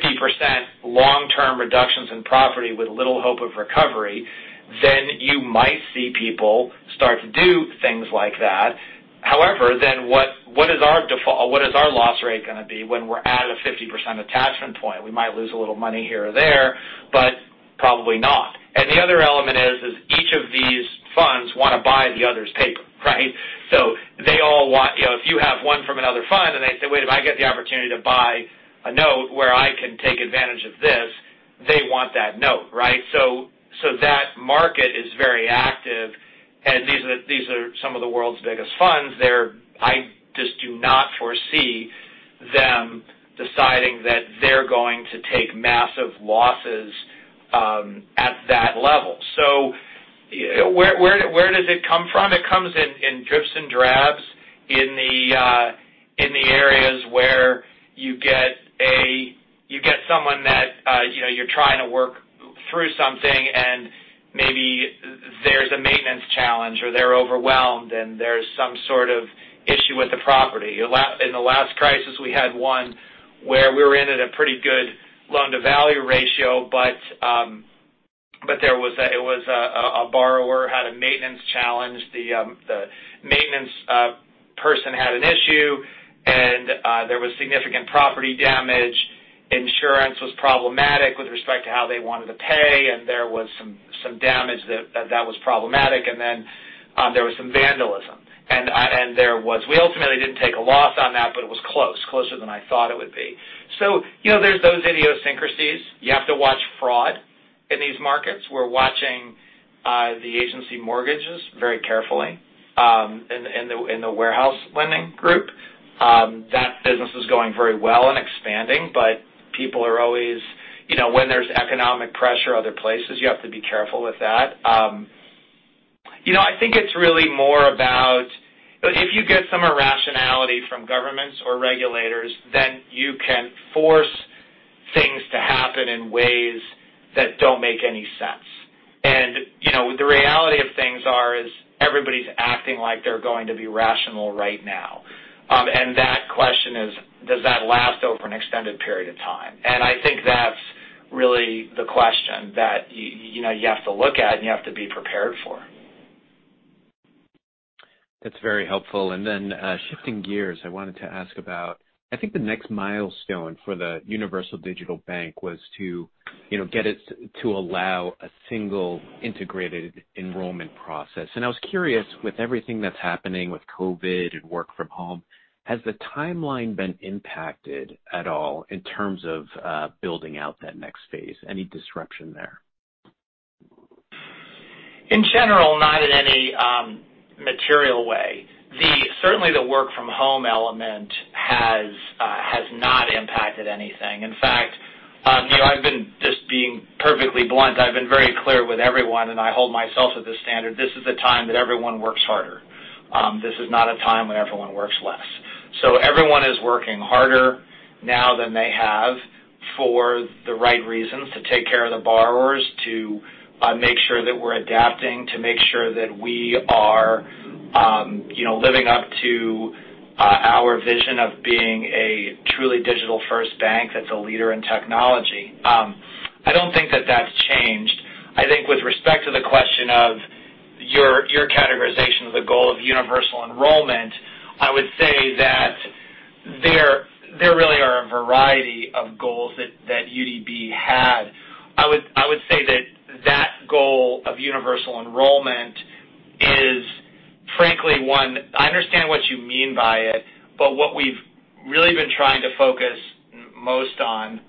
long-term reductions in property with little hope of recovery, then you might see people start to do things like that. However, then what is our loss rate going to be when we're at a 50% attachment point? We might lose a little money here or there, but probably not. The other element is each of these funds want to buy the other's paper, right? If you have one from another fund and they say, "Wait, if I get the opportunity to buy a note where I can take advantage of this," they want that note, right? That market is very active, and these are some of the world's biggest funds. I just do not foresee them deciding that they're going to take massive losses at that level. Where does it come from? It comes in drips and drabs in the areas where you get someone that you're trying to work through something and maybe there's a maintenance challenge or they're overwhelmed and there's some sort of issue with the property. In the last crisis, we had one where we were in at a pretty good loan-to-value ratio, but a borrower had a maintenance challenge. The maintenance person had an issue, and there was significant property damage. Insurance was problematic with respect to how they wanted to pay, and there was some damage that was problematic. There was some vandalism. We ultimately didn't take a loss on that, but it was close. Closer than I thought it would be. There's those idiosyncrasies. You have to watch fraud in these markets. We're watching the agency mortgages very carefully in the warehouse lending group. That business is going very well and expanding, but people are always when there's economic pressure other places, you have to be careful with that. I think it's really more about if you get some irrationality from governments or regulators, then you can force things to happen in ways that don't make any sense. The reality of things are is everybody's acting like they're going to be rational right now. That question is, does that last over an extended period of time? I think that's really the question that you have to look at and you have to be prepared for. That's very helpful. Shifting gears, I wanted to ask about, I think the next milestone for the Universal Digital Bank was to get it to allow a single integrated enrollment process. I was curious, with everything that's happening with COVID and work from home, has the timeline been impacted at all in terms of building out that next phase? Any disruption there? In general, not in any material way. Certainly, the work from home element has not impacted anything. In fact, just being perfectly blunt, I've been very clear with everyone, and I hold myself to this standard. This is a time that everyone works harder. This is not a time when everyone works less. Everyone is working harder now than they have for the right reasons, to take care of the borrowers, to make sure that we're adapting, to make sure that we are living up to our vision of being a truly digital-first bank that's a leader in technology. I don't think that that's changed. I think with respect to the question of your categorization of the goal of universal enrollment, I would say that there really are a variety of goals that UDB had. I would say that that goal of universal enrollment is frankly I understand what you mean by it, but what we've really been trying to focus most on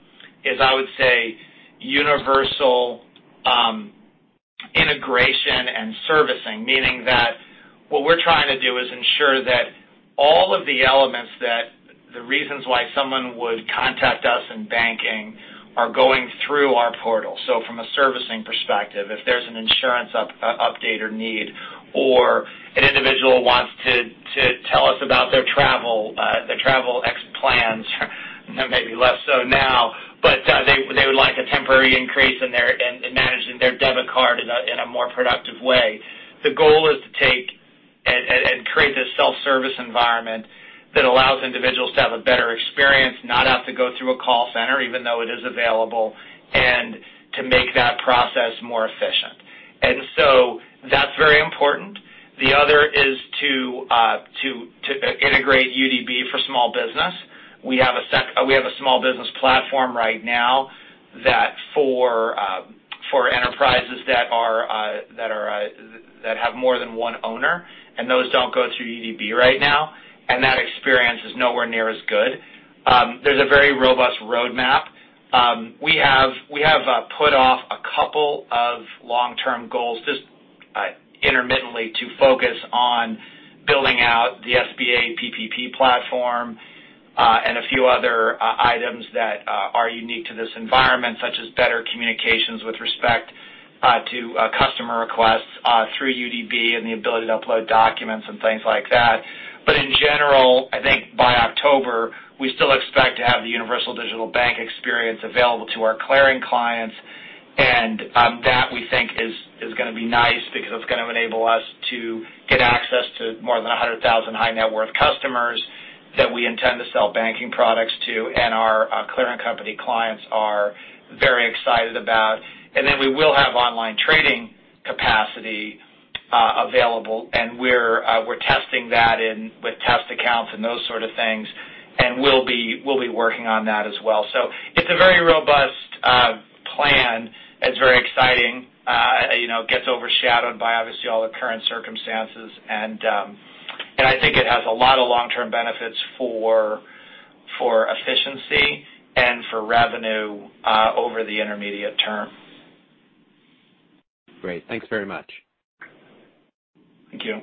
is, I would say, universal integration and servicing. Meaning that what we're trying to do is ensure that all of the elements that the reasons why someone would contact us in banking are going through our portal. From a servicing perspective, if there's an insurance update or need or an individual wants to tell us about their travel plans, maybe less so now, but they would like a temporary increase in managing their debit card in a more productive way. The goal is to take and create this self-service environment that allows individuals to have a better experience, not have to go through a call center even though it is available, and to make that process more efficient. That's very important. The other is to integrate UDB for small business. We have a small business platform right now for enterprises that have more than one owner, and those don't go through UDB right now. That experience is nowhere near as good. There's a very robust roadmap. We have put off a couple of long-term goals just intermittently to focus on building out the SBA PPP platform, and a few other items that are unique to this environment, such as better communications with respect to customer requests through UDB and the ability to upload documents and things like that. In general, I think by October, we still expect to have the Universal Digital Bank experience available to our clearing clients, and that we think is going to be nice because it's going to enable us to get access to more than 100,000 high net worth customers that we intend to sell banking products to, and our clearing company clients are very excited about. Then we will have online trading capacity available, and we're testing that with test accounts and those sort of things. We'll be working on that as well. It's a very robust plan. It's very exciting. Gets overshadowed by obviously all the current circumstances, and I think it has a lot of long-term benefits for efficiency and for revenue over the intermediate term. Great. Thanks very much. Thank you.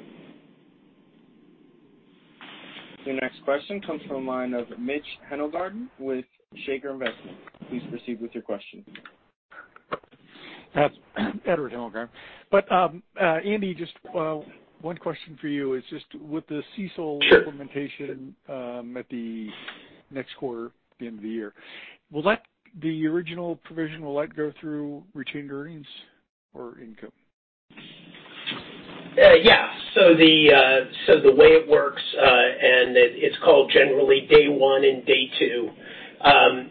The next question comes from the line of Edward Hemmelgarn with Shaker Investments. Please proceed with your question. That's Edward Hemmelgarn. Andy, just one question for you is just with the CECL implementation at the next quarter, the end of the year. The original provision, will that go through retained earnings or income? The way it works, and it's called generally day one and day two.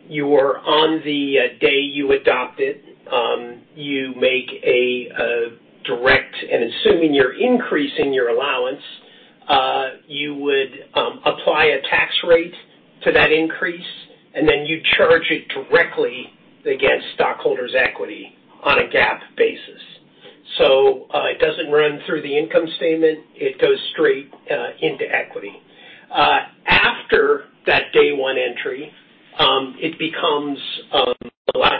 You are on the day you adopt it, you make and assuming you're increasing your allowance, you would apply a tax rate to that increase, and then you charge it directly against stockholders' equity on a GAAP basis. It doesn't run through the income statement. It goes straight into equity. After that day one entry,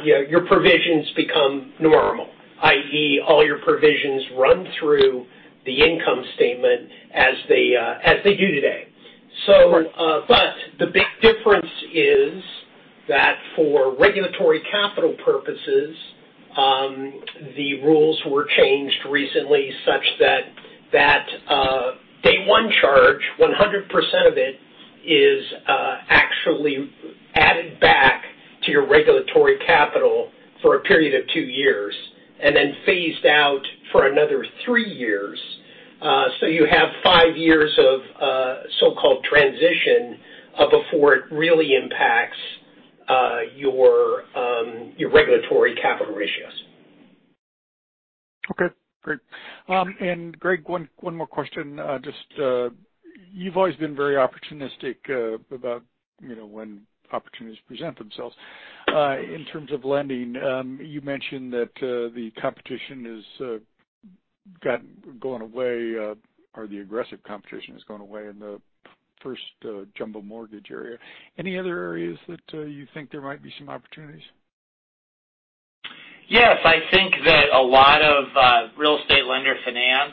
your provisions become normal, i.e., all your provisions run through the income statement as they do today. Right. The big difference is that for regulatory capital purposes, the rules were changed recently such that that day one charge, 100% of it is actually added back to your regulatory capital for a period of two years, and then phased out for another three years. You have five years of so-called transition before it really impacts your regulatory capital ratios. Okay, great. Greg, one more question. You've always been very opportunistic about when opportunities present themselves. In terms of lending, you mentioned that the competition has gone away, or the aggressive competition has gone away in the first jumbo mortgage area. Any other areas that you think there might be some opportunities? Yes, I think that a lot of real estate lender finance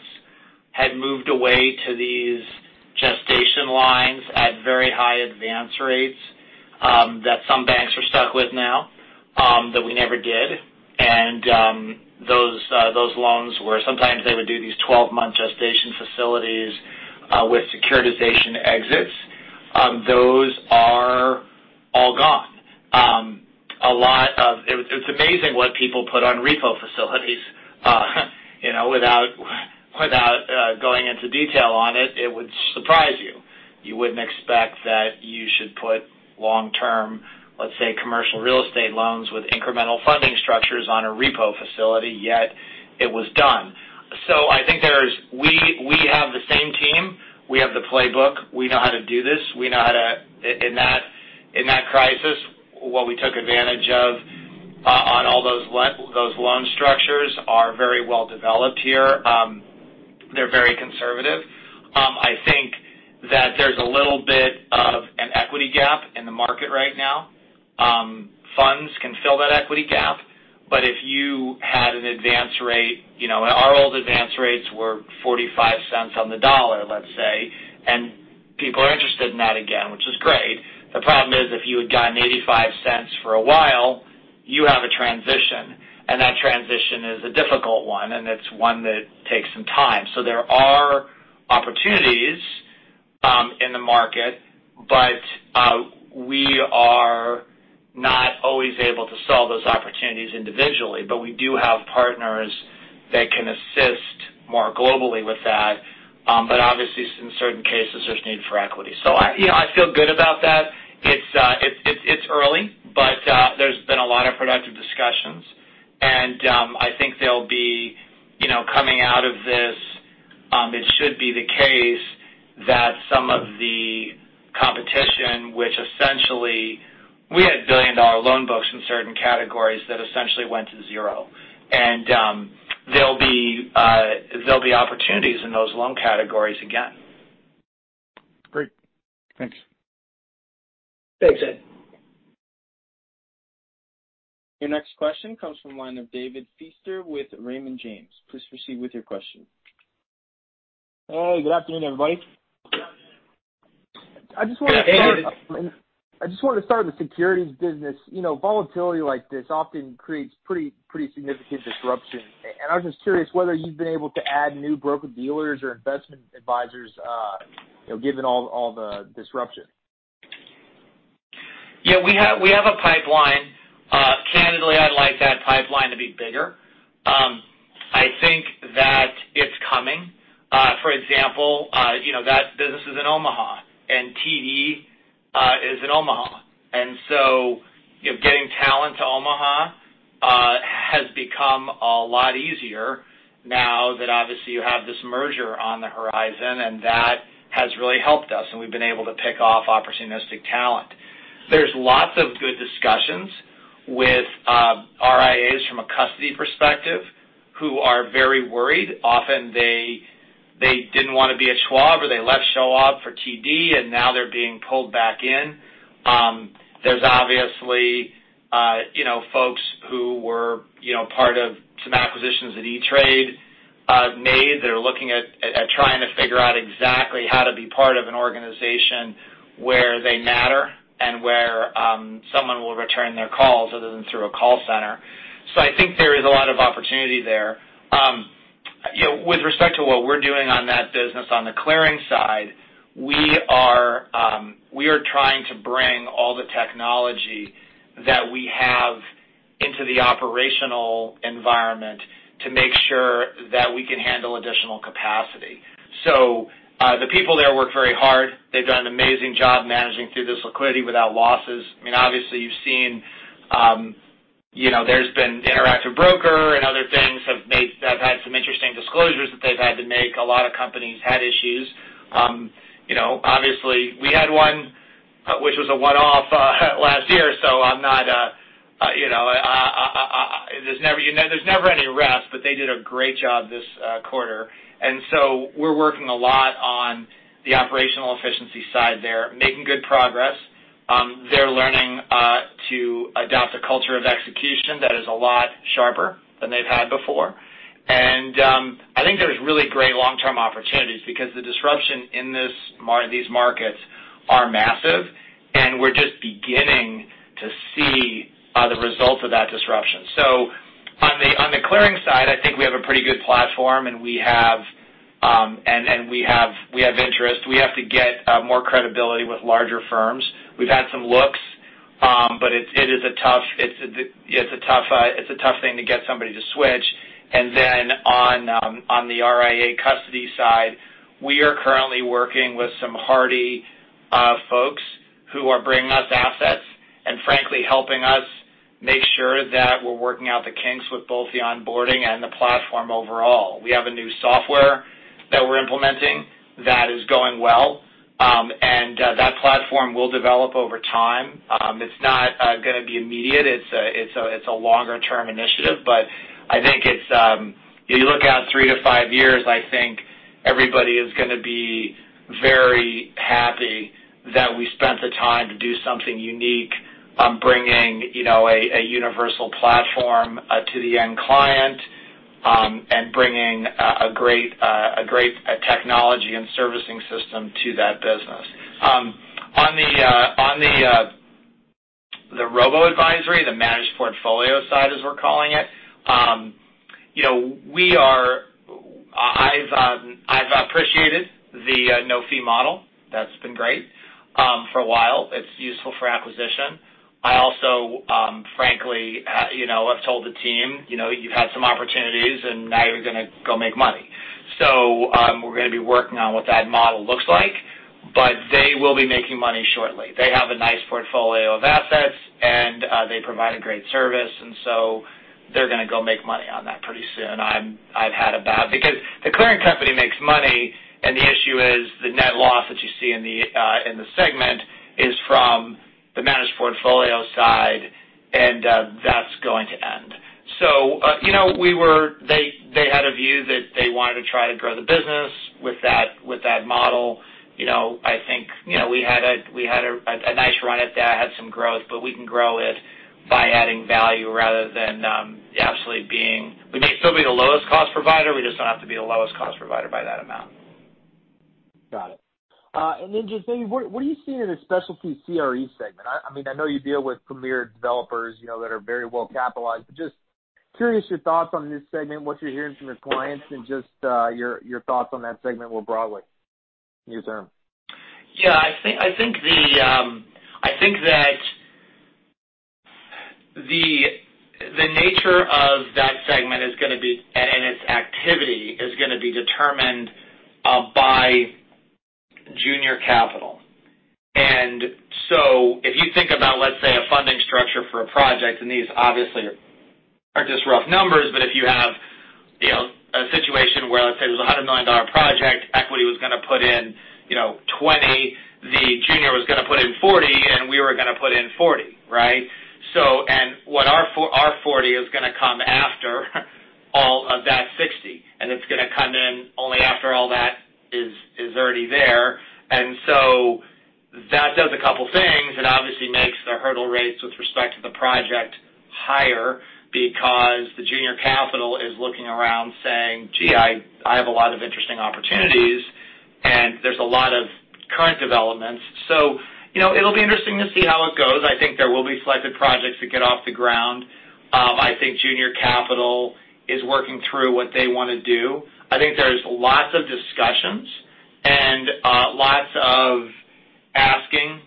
had moved away to these gestation lines at very high advance rates that some banks are stuck with now, that we never did. Those loans where sometimes they would do these 12-month gestation facilities with securitization exits. Those are all gone. It's amazing what people put on repo facilities. Without going into detail on it would surprise you. You wouldn't expect that you should put long-term, let's say, commercial real estate loans with incremental funding structures on a repo facility, yet it was done. We have the same team. We have the playbook. We know how to do this. We know how to In that crisis, what we took advantage of, on all those loan structures are very well developed here. They're very conservative. I think that there's a little bit of an equity gap in the market right now. Funds can fill that equity gap. If you had an advance rate, our old advance rates were $0.45 on the dollar, let's say. People are interested in that again, which is great. The problem is, if you had gotten $0.85 for a while, you have a transition. That transition is a difficult one, and it's one that takes some time. There are opportunities in the market. We are not always able to solve those opportunities individually. We do have partners that can assist more globally with that. Obviously, in certain cases, there's need for equity. I feel good about that. It's early. There's been a lot of productive discussions. I think they'll be coming out of this, it should be the case that some of the competition, which essentially we had billion-dollar loan books in certain categories that essentially went to zero. There'll be opportunities in those loan categories again. Great. Thanks. Thanks. Your next question comes from line of David Feaster with Raymond James. Please proceed with your question. Hello, good afternoon, everybody. Good afternoon. Hey, David. I just wanted to start with the securities business. Volatility like this often creates pretty significant disruption. I was just curious whether you've been able to add new broker-dealers or investment advisors, given all the disruption? Yeah. We have a pipeline. Candidly, I'd like that pipeline to be bigger. I think that it's coming. For example, that business is in Omaha, and TD is in Omaha. Getting talent to Omaha has become a lot easier now that obviously you have this merger on the horizon, and that has really helped us, and we've been able to pick off opportunistic talent. There's lots of good discussions with RIAs from a custody perspective who are very worried. Often, they didn't want to be at Schwab, or they left Schwab for TD, and now they're being pulled back in. There's obviously folks who were part of some acquisitions that E*TRADE made. They're looking at trying to figure out exactly how to be part of an organization where they matter and where someone will return their calls other than through a call center. I think there is a lot of opportunity there. With respect to what we're doing on that business on the Axos Clearing side, we are trying to bring all the technology that we have into the operational environment to make sure that we can handle additional capacity. The people there work very hard. They've done an amazing job managing through this liquidity without losses. I mean, obviously, you've seen there's been Interactive Brokers and other things have had some interesting disclosures that they've had to make. A lot of companies had issues. Obviously, we had one, which was a one-off last year. There's never any rest, but they did a great job this quarter. We're working a lot on the operational efficiency side there, making good progress. They're learning to adopt a culture of execution that is a lot sharper than they've had before. I think there's really great long-term opportunities because the disruption in these markets are massive, and we're just beginning to see the result of that disruption. On the clearing side, I think we have a pretty good platform, and we have interest. We have to get more credibility with larger firms. We've had some looks. It's a tough thing to get somebody to switch. On the RIA custody side, we are currently working with some hearty folks who are bringing us assets and frankly helping us make sure that we're working out the kinks with both the onboarding and the platform overall. We have a new software that we're implementing that is going well. That platform will develop over time. It's not going to be immediate. It's a longer-term initiative. If you look out three to five years, I think everybody is going to be very happy that we spent the time to do something unique, bringing a universal platform to the end client, and bringing a great technology and servicing system to that business. On the robo advisory, the managed portfolio side, as we're calling it, I've appreciated the no-fee model. That's been great for a while. It's useful for acquisition. I also, frankly, have told the team, You've had some opportunities, and now you're going to go make money. We're going to be working on what that model looks like, but they will be making money shortly. They have a nice portfolio of assets. They provide a great service, and so they're going to go make money on that pretty soon. Because the clearing company makes money, and the issue is the net loss that you see in the segment is from the managed portfolio side, and that's going to end. They had a view that they wanted to try to grow the business with that model. I think we had a nice run at that, had some growth, but we can grow it by adding value rather than We may still be the lowest cost provider. We just don't have to be the lowest cost provider by that amount. Got it. James, what are you seeing in the specialty CRE segment? I know you deal with premier developers that are very well capitalized, just curious your thoughts on this segment, what you're hearing from your clients, and just your thoughts on that segment more broadly near-term. Yeah. I think that the nature of that segment and its activity is going to be determined by junior capital. If you think about, let's say, a funding structure for a project, and these obviously are just rough numbers, but if you have a situation where, let's say, there's a $100 million project, equity was going to put in $20, the junior was going to put in $40, and we were going to put in $40, right? Our $40 is going to come after all of that $60, and it's going to come in only after all that is already there. That does a couple things. It obviously makes the hurdle rates with respect to the project higher because the junior capital is looking around saying, Gee, I have a lot of interesting opportunities, and there's a lot of current developments. It'll be interesting to see how it goes. I think there will be selected projects that get off the ground. I think junior capital is working through what they want to do. I think there's lots of discussions and lots of asking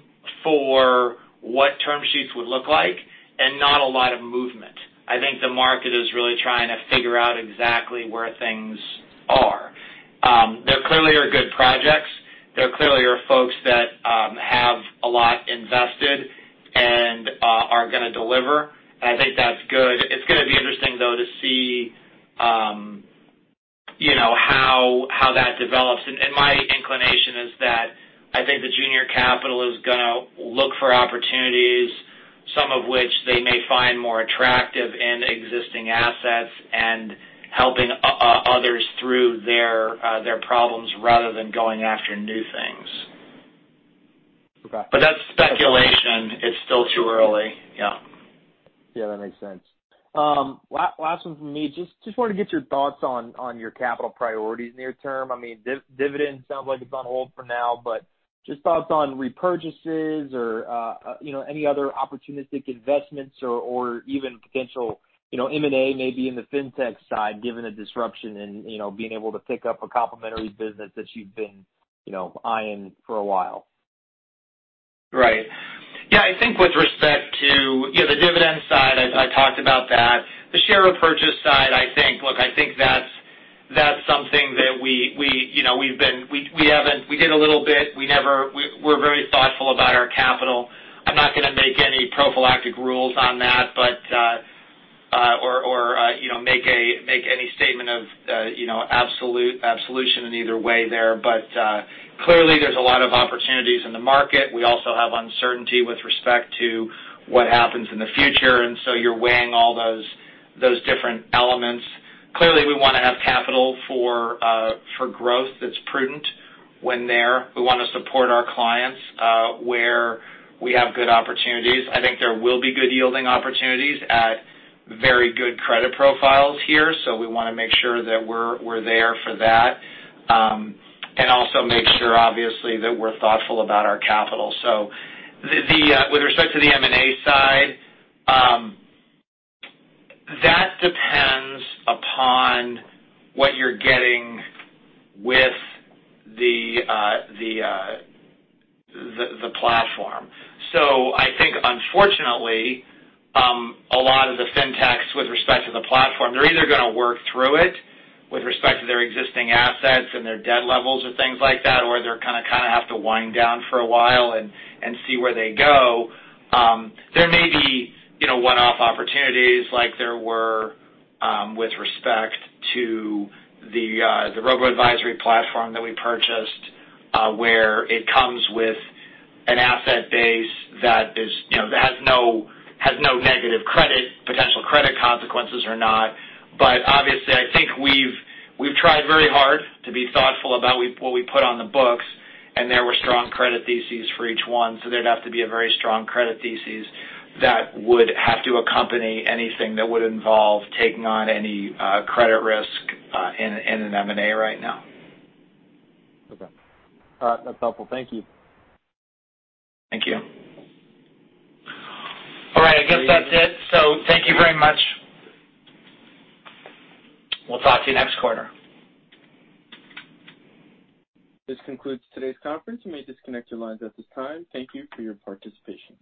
for what term sheets would look like and not a lot of movement. I think the market is really trying to figure out exactly where things are. There clearly are good projects. There clearly are folks that have a lot invested and are going to deliver. I think that's good. It's going to be interesting, though, to see how that develops. My inclination is that I think the junior capital is going to look for opportunities, some of which they may find more attractive in existing assets and helping others through their problems rather than going after new things. Okay. That's speculation. It's still too early. Yeah. Yeah, that makes sense. Last one from me. Just wanted to get your thoughts on your capital priorities near term. Dividend sounds like it's on hold for now, but just thoughts on repurchases or any other opportunistic investments or even potential M&A, maybe in the fintech side, given the disruption in being able to pick up a complementary business that you've been eyeing for a while. Right. Yeah, I think with respect to the dividend side, I talked about that. The share repurchase side, I think that's something that we did a little bit. We're very thoughtful about our capital. I'm not going to make any prophylactic rules on that or make any statement of absolution in either way there. Clearly, there's a lot of opportunities in the market. We also have uncertainty with respect to what happens in the future, you're weighing all those different elements. Clearly, we want to have capital for growth that's prudent when there. We want to support our clients where we have good opportunities. I think there will be good yielding opportunities at very good credit profiles here, we want to make sure that we're there for that. Also make sure, obviously, that we're thoughtful about our capital. With respect to the M&A side, that depends upon what you're getting with the platform. I think unfortunately, a lot of the fintechs with respect to the platform, they're either going to work through it with respect to their existing assets and their debt levels and things like that, or they kind of have to wind down for a while and see where they go. There may be one-off opportunities like there were with respect to the robo-advisory platform that we purchased, where it comes with an asset base that has no negative credit, potential credit consequences or not. Obviously, I think we've tried very hard to be thoughtful about what we put on the books, and there were strong credit theses for each one, so there'd have to be a very strong credit thesis that would have to accompany anything that would involve taking on any credit risk in an M&A right now. Okay. All right. That's helpful. Thank you. Thank you. All right. I guess that's it. Thank you very much. We'll talk to you next quarter. This concludes today's conference. You may disconnect your lines at this time. Thank you for your participation.